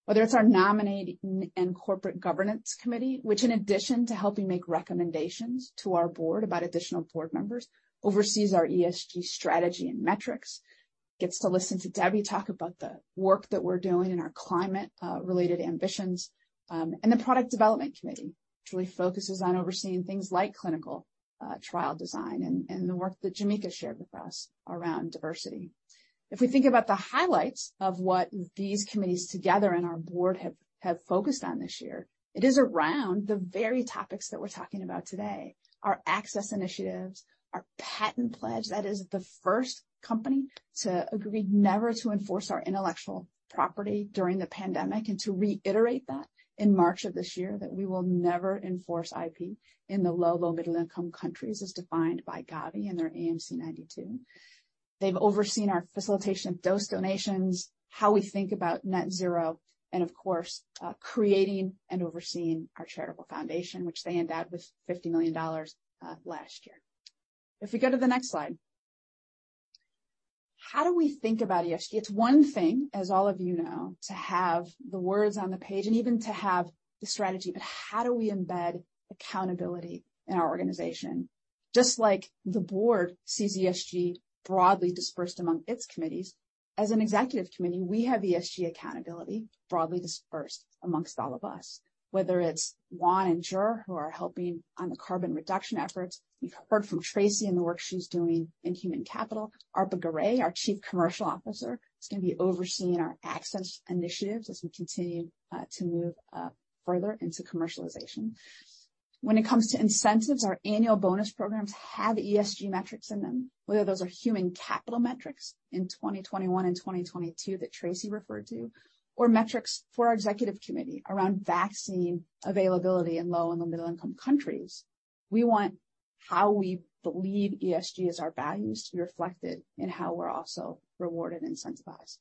Whether it's our nominating and corporate governance committee, which in addition to helping make recommendations to our board about additional board members, oversees our ESG strategy and metrics, gets to listen to Debbie talk about the work that we're doing in our climate related ambitions. The Product Development Committee, which really focuses on overseeing things like clinical trial design and the work that Jameka shared with us around diversity. If we think about the highlights of what these committees together and our board have focused on this year, it is around the very topics that we're talking about today. Our access initiatives, our patent pledge. That is the first company to agree never to enforce our intellectual property during the pandemic, and to reiterate that in March of this year that we will never enforce IP in the low- and middle-income countries as defined by Gavi and their AMC 92. They've overseen our facilitation of dose donations, how we think about net zero, and of course, creating and overseeing our charitable foundation, which they endowed with $50 million last year. If we go to the next slide. How do we think about ESG? It's one thing, as all of you know, to have the words on the page and even to have the strategy, but how do we embed accountability in our organization? Just like the board sees ESG broadly dispersed among its committees, as an executive committee, we have ESG accountability broadly dispersed amongst all of us. Whether it's Juan and Jerh who are helping on the carbon reduction efforts. You've heard from Tracey and the work she's doing in human capital. Arpa Garay, our Chief Commercial Officer, is going to be overseeing our access initiatives as we continue to move further into commercialization. When it comes to incentives, our annual bonus programs have ESG metrics in them, whether those are human capital metrics in 2021 and 2022 that Tracey referred to, or metrics for our executive committee around vaccine availability in low- and middle-income countries. We want how we believe ESG as our values to be reflected in how we're also rewarded, incentivized.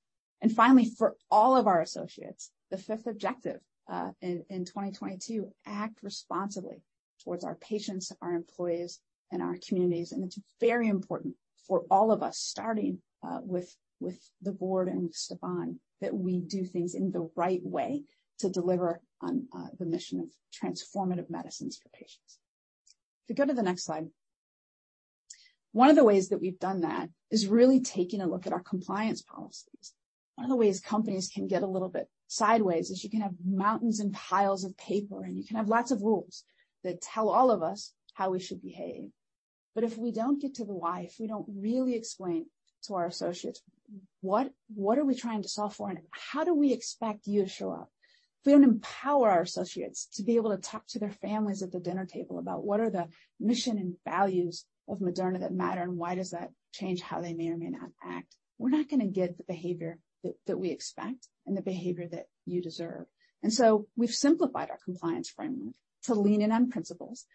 Finally, for all of our associates, the fifth objective, in 2022, act responsibly towards our patients, our employees, and our communities. It's very important for all of us, starting with the board and with Stéphane, that we do things in the right way to deliver on the mission of transformative medicines for patients. If we go to the next slide. One of the ways that we've done that is really taking a look at our compliance policies. One of the ways companies can get a little bit sideways is you can have mountains and piles of paper, and you can have lots of rules that tell all of us how we should behave. If we don't get to the why, if we don't really explain to our associates what are we trying to solve for and how do we expect you to show up, if we don't empower our associates to be able to talk to their families at the dinner table about what are the mission and values of Moderna that matter and why does that change how they may or may not act, we're not going to get the behavior that we expect and the behavior that you deserve. We've simplified our compliance framework to lean in on principles,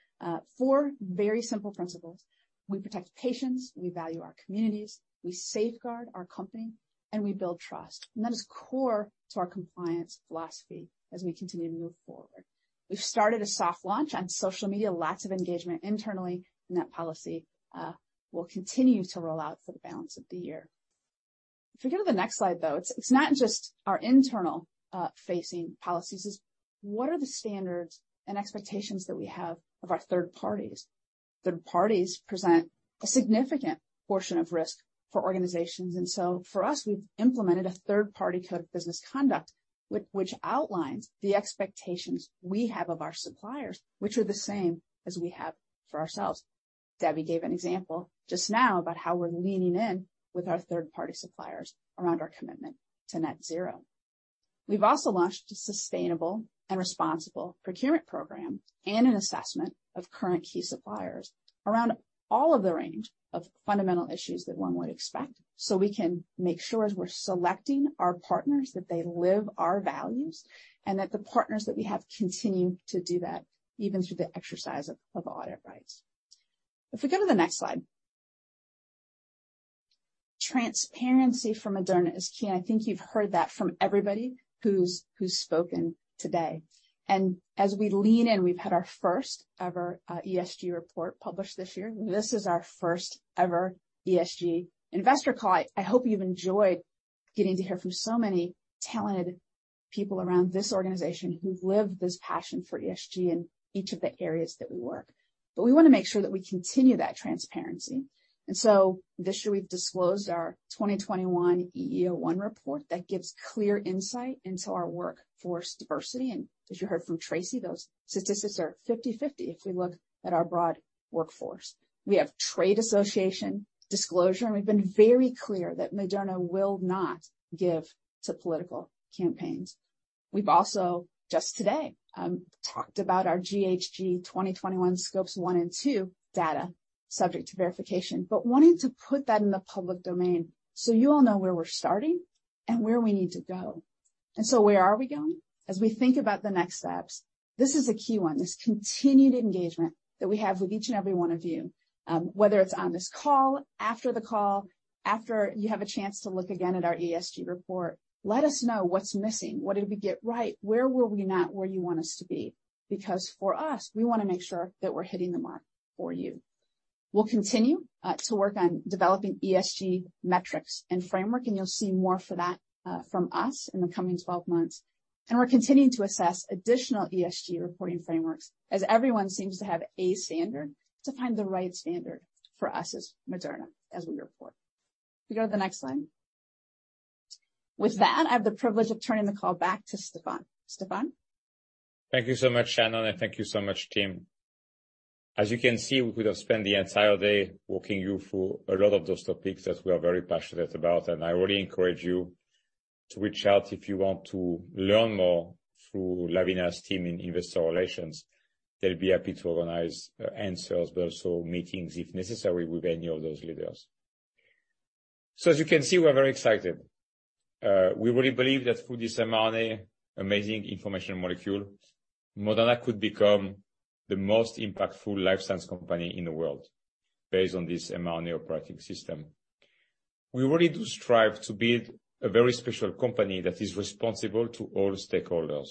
four very simple principles. We protect patients, we value our communities, we safeguard our company, and we build trust. That is core to our compliance philosophy as we continue to move forward. We've started a soft launch on social media, lots of engagement internally, and that policy will continue to roll out for the balance of the year. If we go to the next slide, though, it's not just our internal facing policies. It's what are the standards and expectations that we have of our third parties? Third parties present a significant portion of risk for organizations. We've implemented a third-party code of business conduct which outlines the expectations we have of our suppliers, which are the same as we have for ourselves. Debbie gave an example just now about how we're leaning in with our third-party suppliers around our commitment to net zero. We've also launched a sustainable and responsible procurement program and an assessment of current key suppliers around all of the range of fundamental issues that one would expect, so we can make sure as we're selecting our partners that they live our values, and that the partners that we have continue to do that even through the exercise of audit rights. If we go to the next slide. Transparency for Moderna is key, and I think you've heard that from everybody who's spoken today. As we lean in, we've had our first ever ESG report published this year. This is our first ever ESG investor call. I hope you've enjoyed getting to hear from so many talented people around this organization who've lived this passion for ESG in each of the areas that we work. We want to make sure that we continue that transparency. This year, we've disclosed our 2021 EEO-1 report that gives clear insight into our workforce diversity. As you heard from Tracey, those statistics are 50/50 if we look at our broad workforce. We have trade association disclosure, and we've been very clear that Moderna will not give to political campaigns. We've also, just today, talked about our GHG 2021 Scope 1 and Scope 2 data subject to verification. Wanting to put that in the public domain, so you all know where we're starting and where we need to go. Where are we going? As we think about the next steps, this is a key one, this continued engagement that we have with each and every one of you. Whether it's on this call, after the call, after you have a chance to look again at our ESG report. Let us know what's missing, what did we get right, where were we not where you want us to be? Because for us, we wanna make sure that we're hitting the mark for you. We'll continue to work on developing ESG metrics and framework, and you'll see more for that from us in the coming 12 months. We're continuing to assess additional ESG reporting frameworks, as everyone seems to have a standard, to find the right standard for us as Moderna as we report. If you go to the next slide. With that, I have the privilege of turning the call back to Stéphane. Stéphane? Thank you so much, Shannon, and thank you so much, team. As you can see, we could have spent the entire day walking you through a lot of those topics that we are very passionate about, and I really encourage you to reach out if you want to learn more through Lavina's team in investor relations. They'll be happy to organize answers, but also meetings if necessary with any of those leaders. As you can see, we're very excited. We really believe that through this mRNA amazing informational molecule, Moderna could become the most impactful life science company in the world based on this mRNA operating system. We really do strive to build a very special company that is responsible to all stakeholders.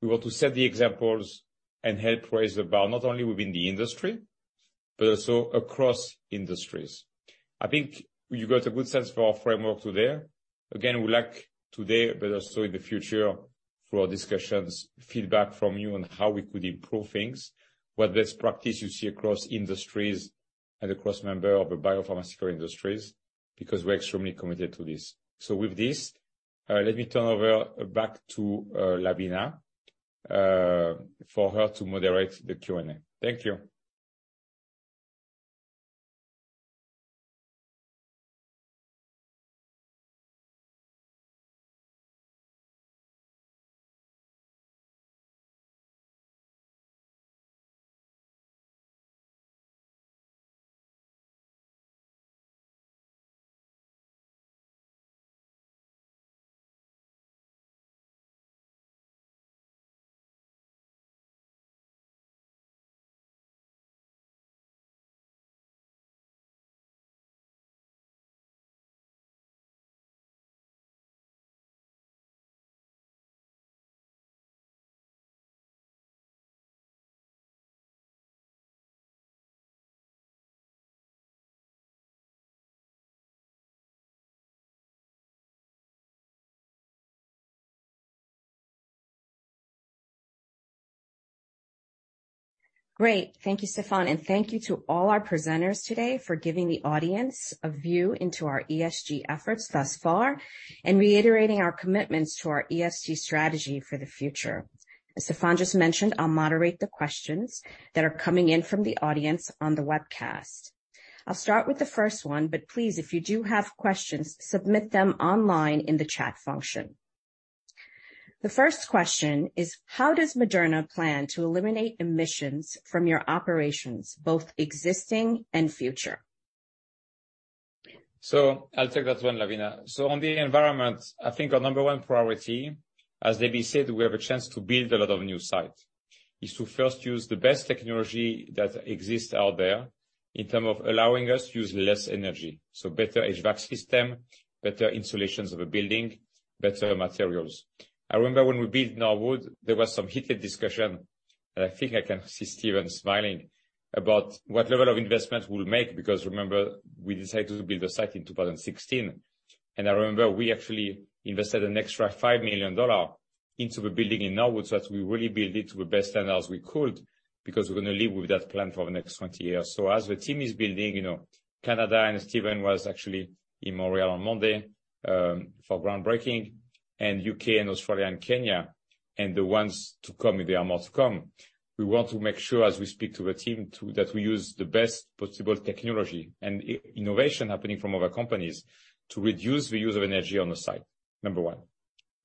We want to set the examples and help raise the bar not only within the industry but also across industries. I think you got a good sense for our framework today. Again, we would like today, but also in the future for our discussions, feedback from you on how we could improve things, what best practice you see across industries and across member of the biopharmaceutical industries, because we're extremely committed to this. With this, let me turn over back to Lavina for her to moderate the Q&A. Thank you. Thank you, Stéphane. Thank you to all our presenters today for giving the audience a view into our ESG efforts thus far and reiterating our commitments to our ESG strategy for the future. As Stéphane just mentioned, I'll moderate the questions that are coming in from the audience on the webcast. I'll start with the first one, but please, if you do have questions, submit them online in the chat function. The first question is: how does Moderna plan to eliminate emissions from your operations, both existing and future? I'll take that one, Lavina. On the environment, I think our number one priority, as Debbie said, we have a chance to build a lot of new sites, is to first use the best technology that exists out there in terms of allowing us to use less energy, so better HVAC system, better insulations of a building, better materials. I remember when we built Norwood, there was some heated discussion, and I think I can see Stephen smiling, about what level of investment we'll make because remember, we decided to build a site in 2016. I remember we actually invested an extra $5 million into the building in Norwood, so that we really build it to the best standards we could because we're gonna live with that plan for the next 20 years. As the team is building, you know, Canada, and Stephen was actually in Montreal on Monday for groundbreaking, and U.K. and Australia and Kenya and the ones to come, they are about to come. We want to make sure as we speak to the team that we use the best possible technology and innovation happening from other companies to reduce the use of energy on the site. Number one.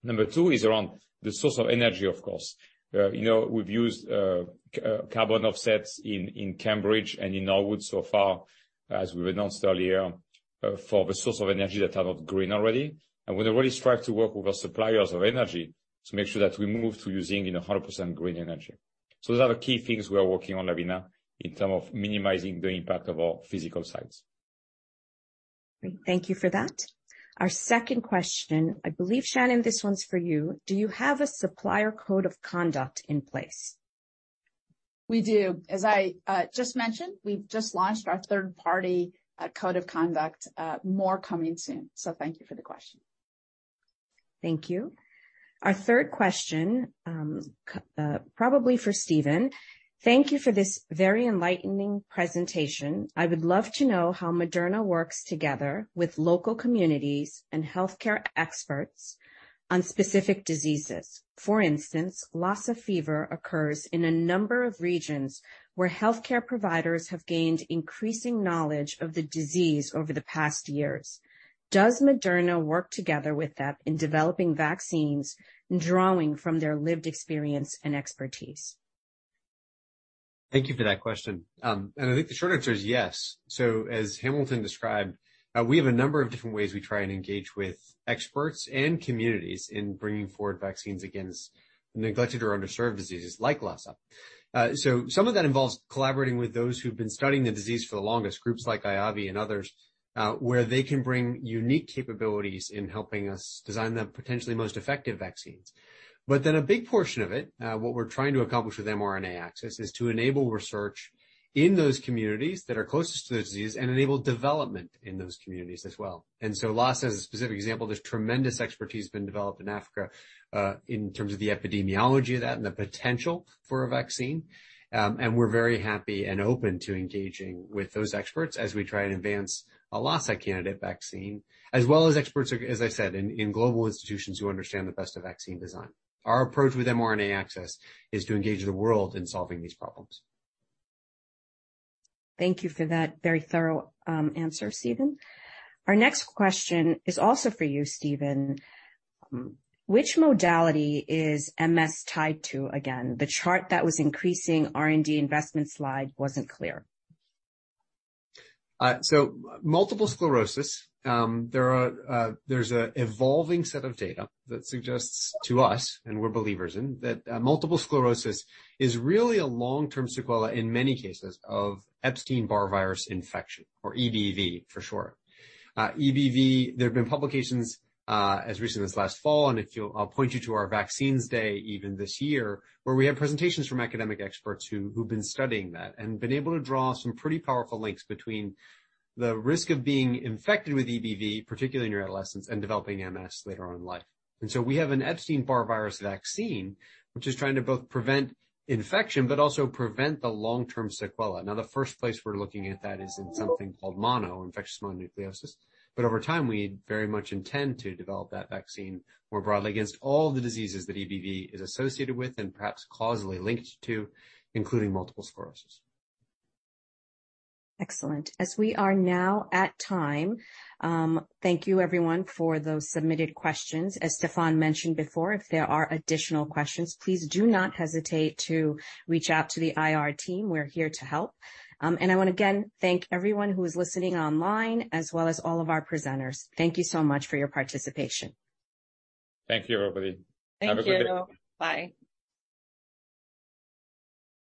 Number two is around the source of energy, of course. You know, we've used carbon offsets in Cambridge and in Norwood so far as we announced earlier for the source of energy that are not green already. We really strive to work with our suppliers of energy to make sure that we move to using, you know, 100% green energy. Those are the key things we are working on, Lavina, in terms of minimizing the impact of our physical sites. Great. Thank you for that. Our second question, I believe, Shannon, this one's for you. Do you have a supplier code of conduct in place? We do. As I just mentioned, we've just launched our third-party code of conduct, more coming soon. Thank you for the question. Thank you. Our third question, probably for Stephen. Thank you for this very enlightening presentation. I would love to know how Moderna works together with local communities and healthcare experts on specific diseases. For instance, Lassa fever occurs in a number of regions where healthcare providers have gained increasing knowledge of the disease over the past years. Does Moderna work together with them in developing vaccines, drawing from their lived experience and expertise? Thank you for that question. I think the short answer is yes. As Hamilton described, we have a number of different ways we try and engage with experts and communities in bringing forward vaccines against neglected or underserved diseases like Lassa. Some of that involves collaborating with those who've been studying the disease for the longest, groups like IAVI and others, where they can bring unique capabilities in helping us design the potentially most effective vaccines. But then a big portion of it, what we're trying to accomplish with mRNA Access, is to enable research in those communities that are closest to the disease and enable development in those communities as well. Lassa, as a specific example, there's tremendous expertise been developed in Africa, in terms of the epidemiology of that and the potential for a vaccine. We're very happy and open to engaging with those experts as we try and advance a Lassa candidate vaccine, as well as experts, as I said, in global institutions who understand the best of vaccine design. Our approach with mRNA Access is to engage the world in solving these problems. Thank you for that very thorough answer, Stephen. Our next question is also for you, Stephen. Which modality is MS tied to again? The chart that was increasing R&D investment slide wasn't clear. Multiple sclerosis, there are, there's an evolving set of data that suggests to us, and we're believers in, that, multiple sclerosis is really a long-term sequela in many cases of Epstein-Barr virus infection, or EBV for short. EBV, there have been publications, as recent as last fall, and I'll point you to our Vaccines event this year, where we had presentations from academic experts who've been studying that and been able to draw some pretty powerful links between the risk of being infected with EBV, particularly in your adolescence, and developing MS later on in life. We have an Epstein-Barr virus vaccine which is trying to both prevent infection but also prevent the long-term sequela. Now, the first place we're looking at that is in something called mono, or infectious mononucleosis. Over time, we very much intend to develop that vaccine more broadly against all the diseases that EBV is associated with and perhaps causally linked to, including multiple sclerosis. Excellent. As we are now at time, thank you everyone for those submitted questions. As Stéphane mentioned before, if there are additional questions, please do not hesitate to reach out to the IR team. We're here to help. I wanna again thank everyone who is listening online as well as all of our presenters. Thank you so much for your participation. Thank you, everybody. Thank you. Have a good day. Bye.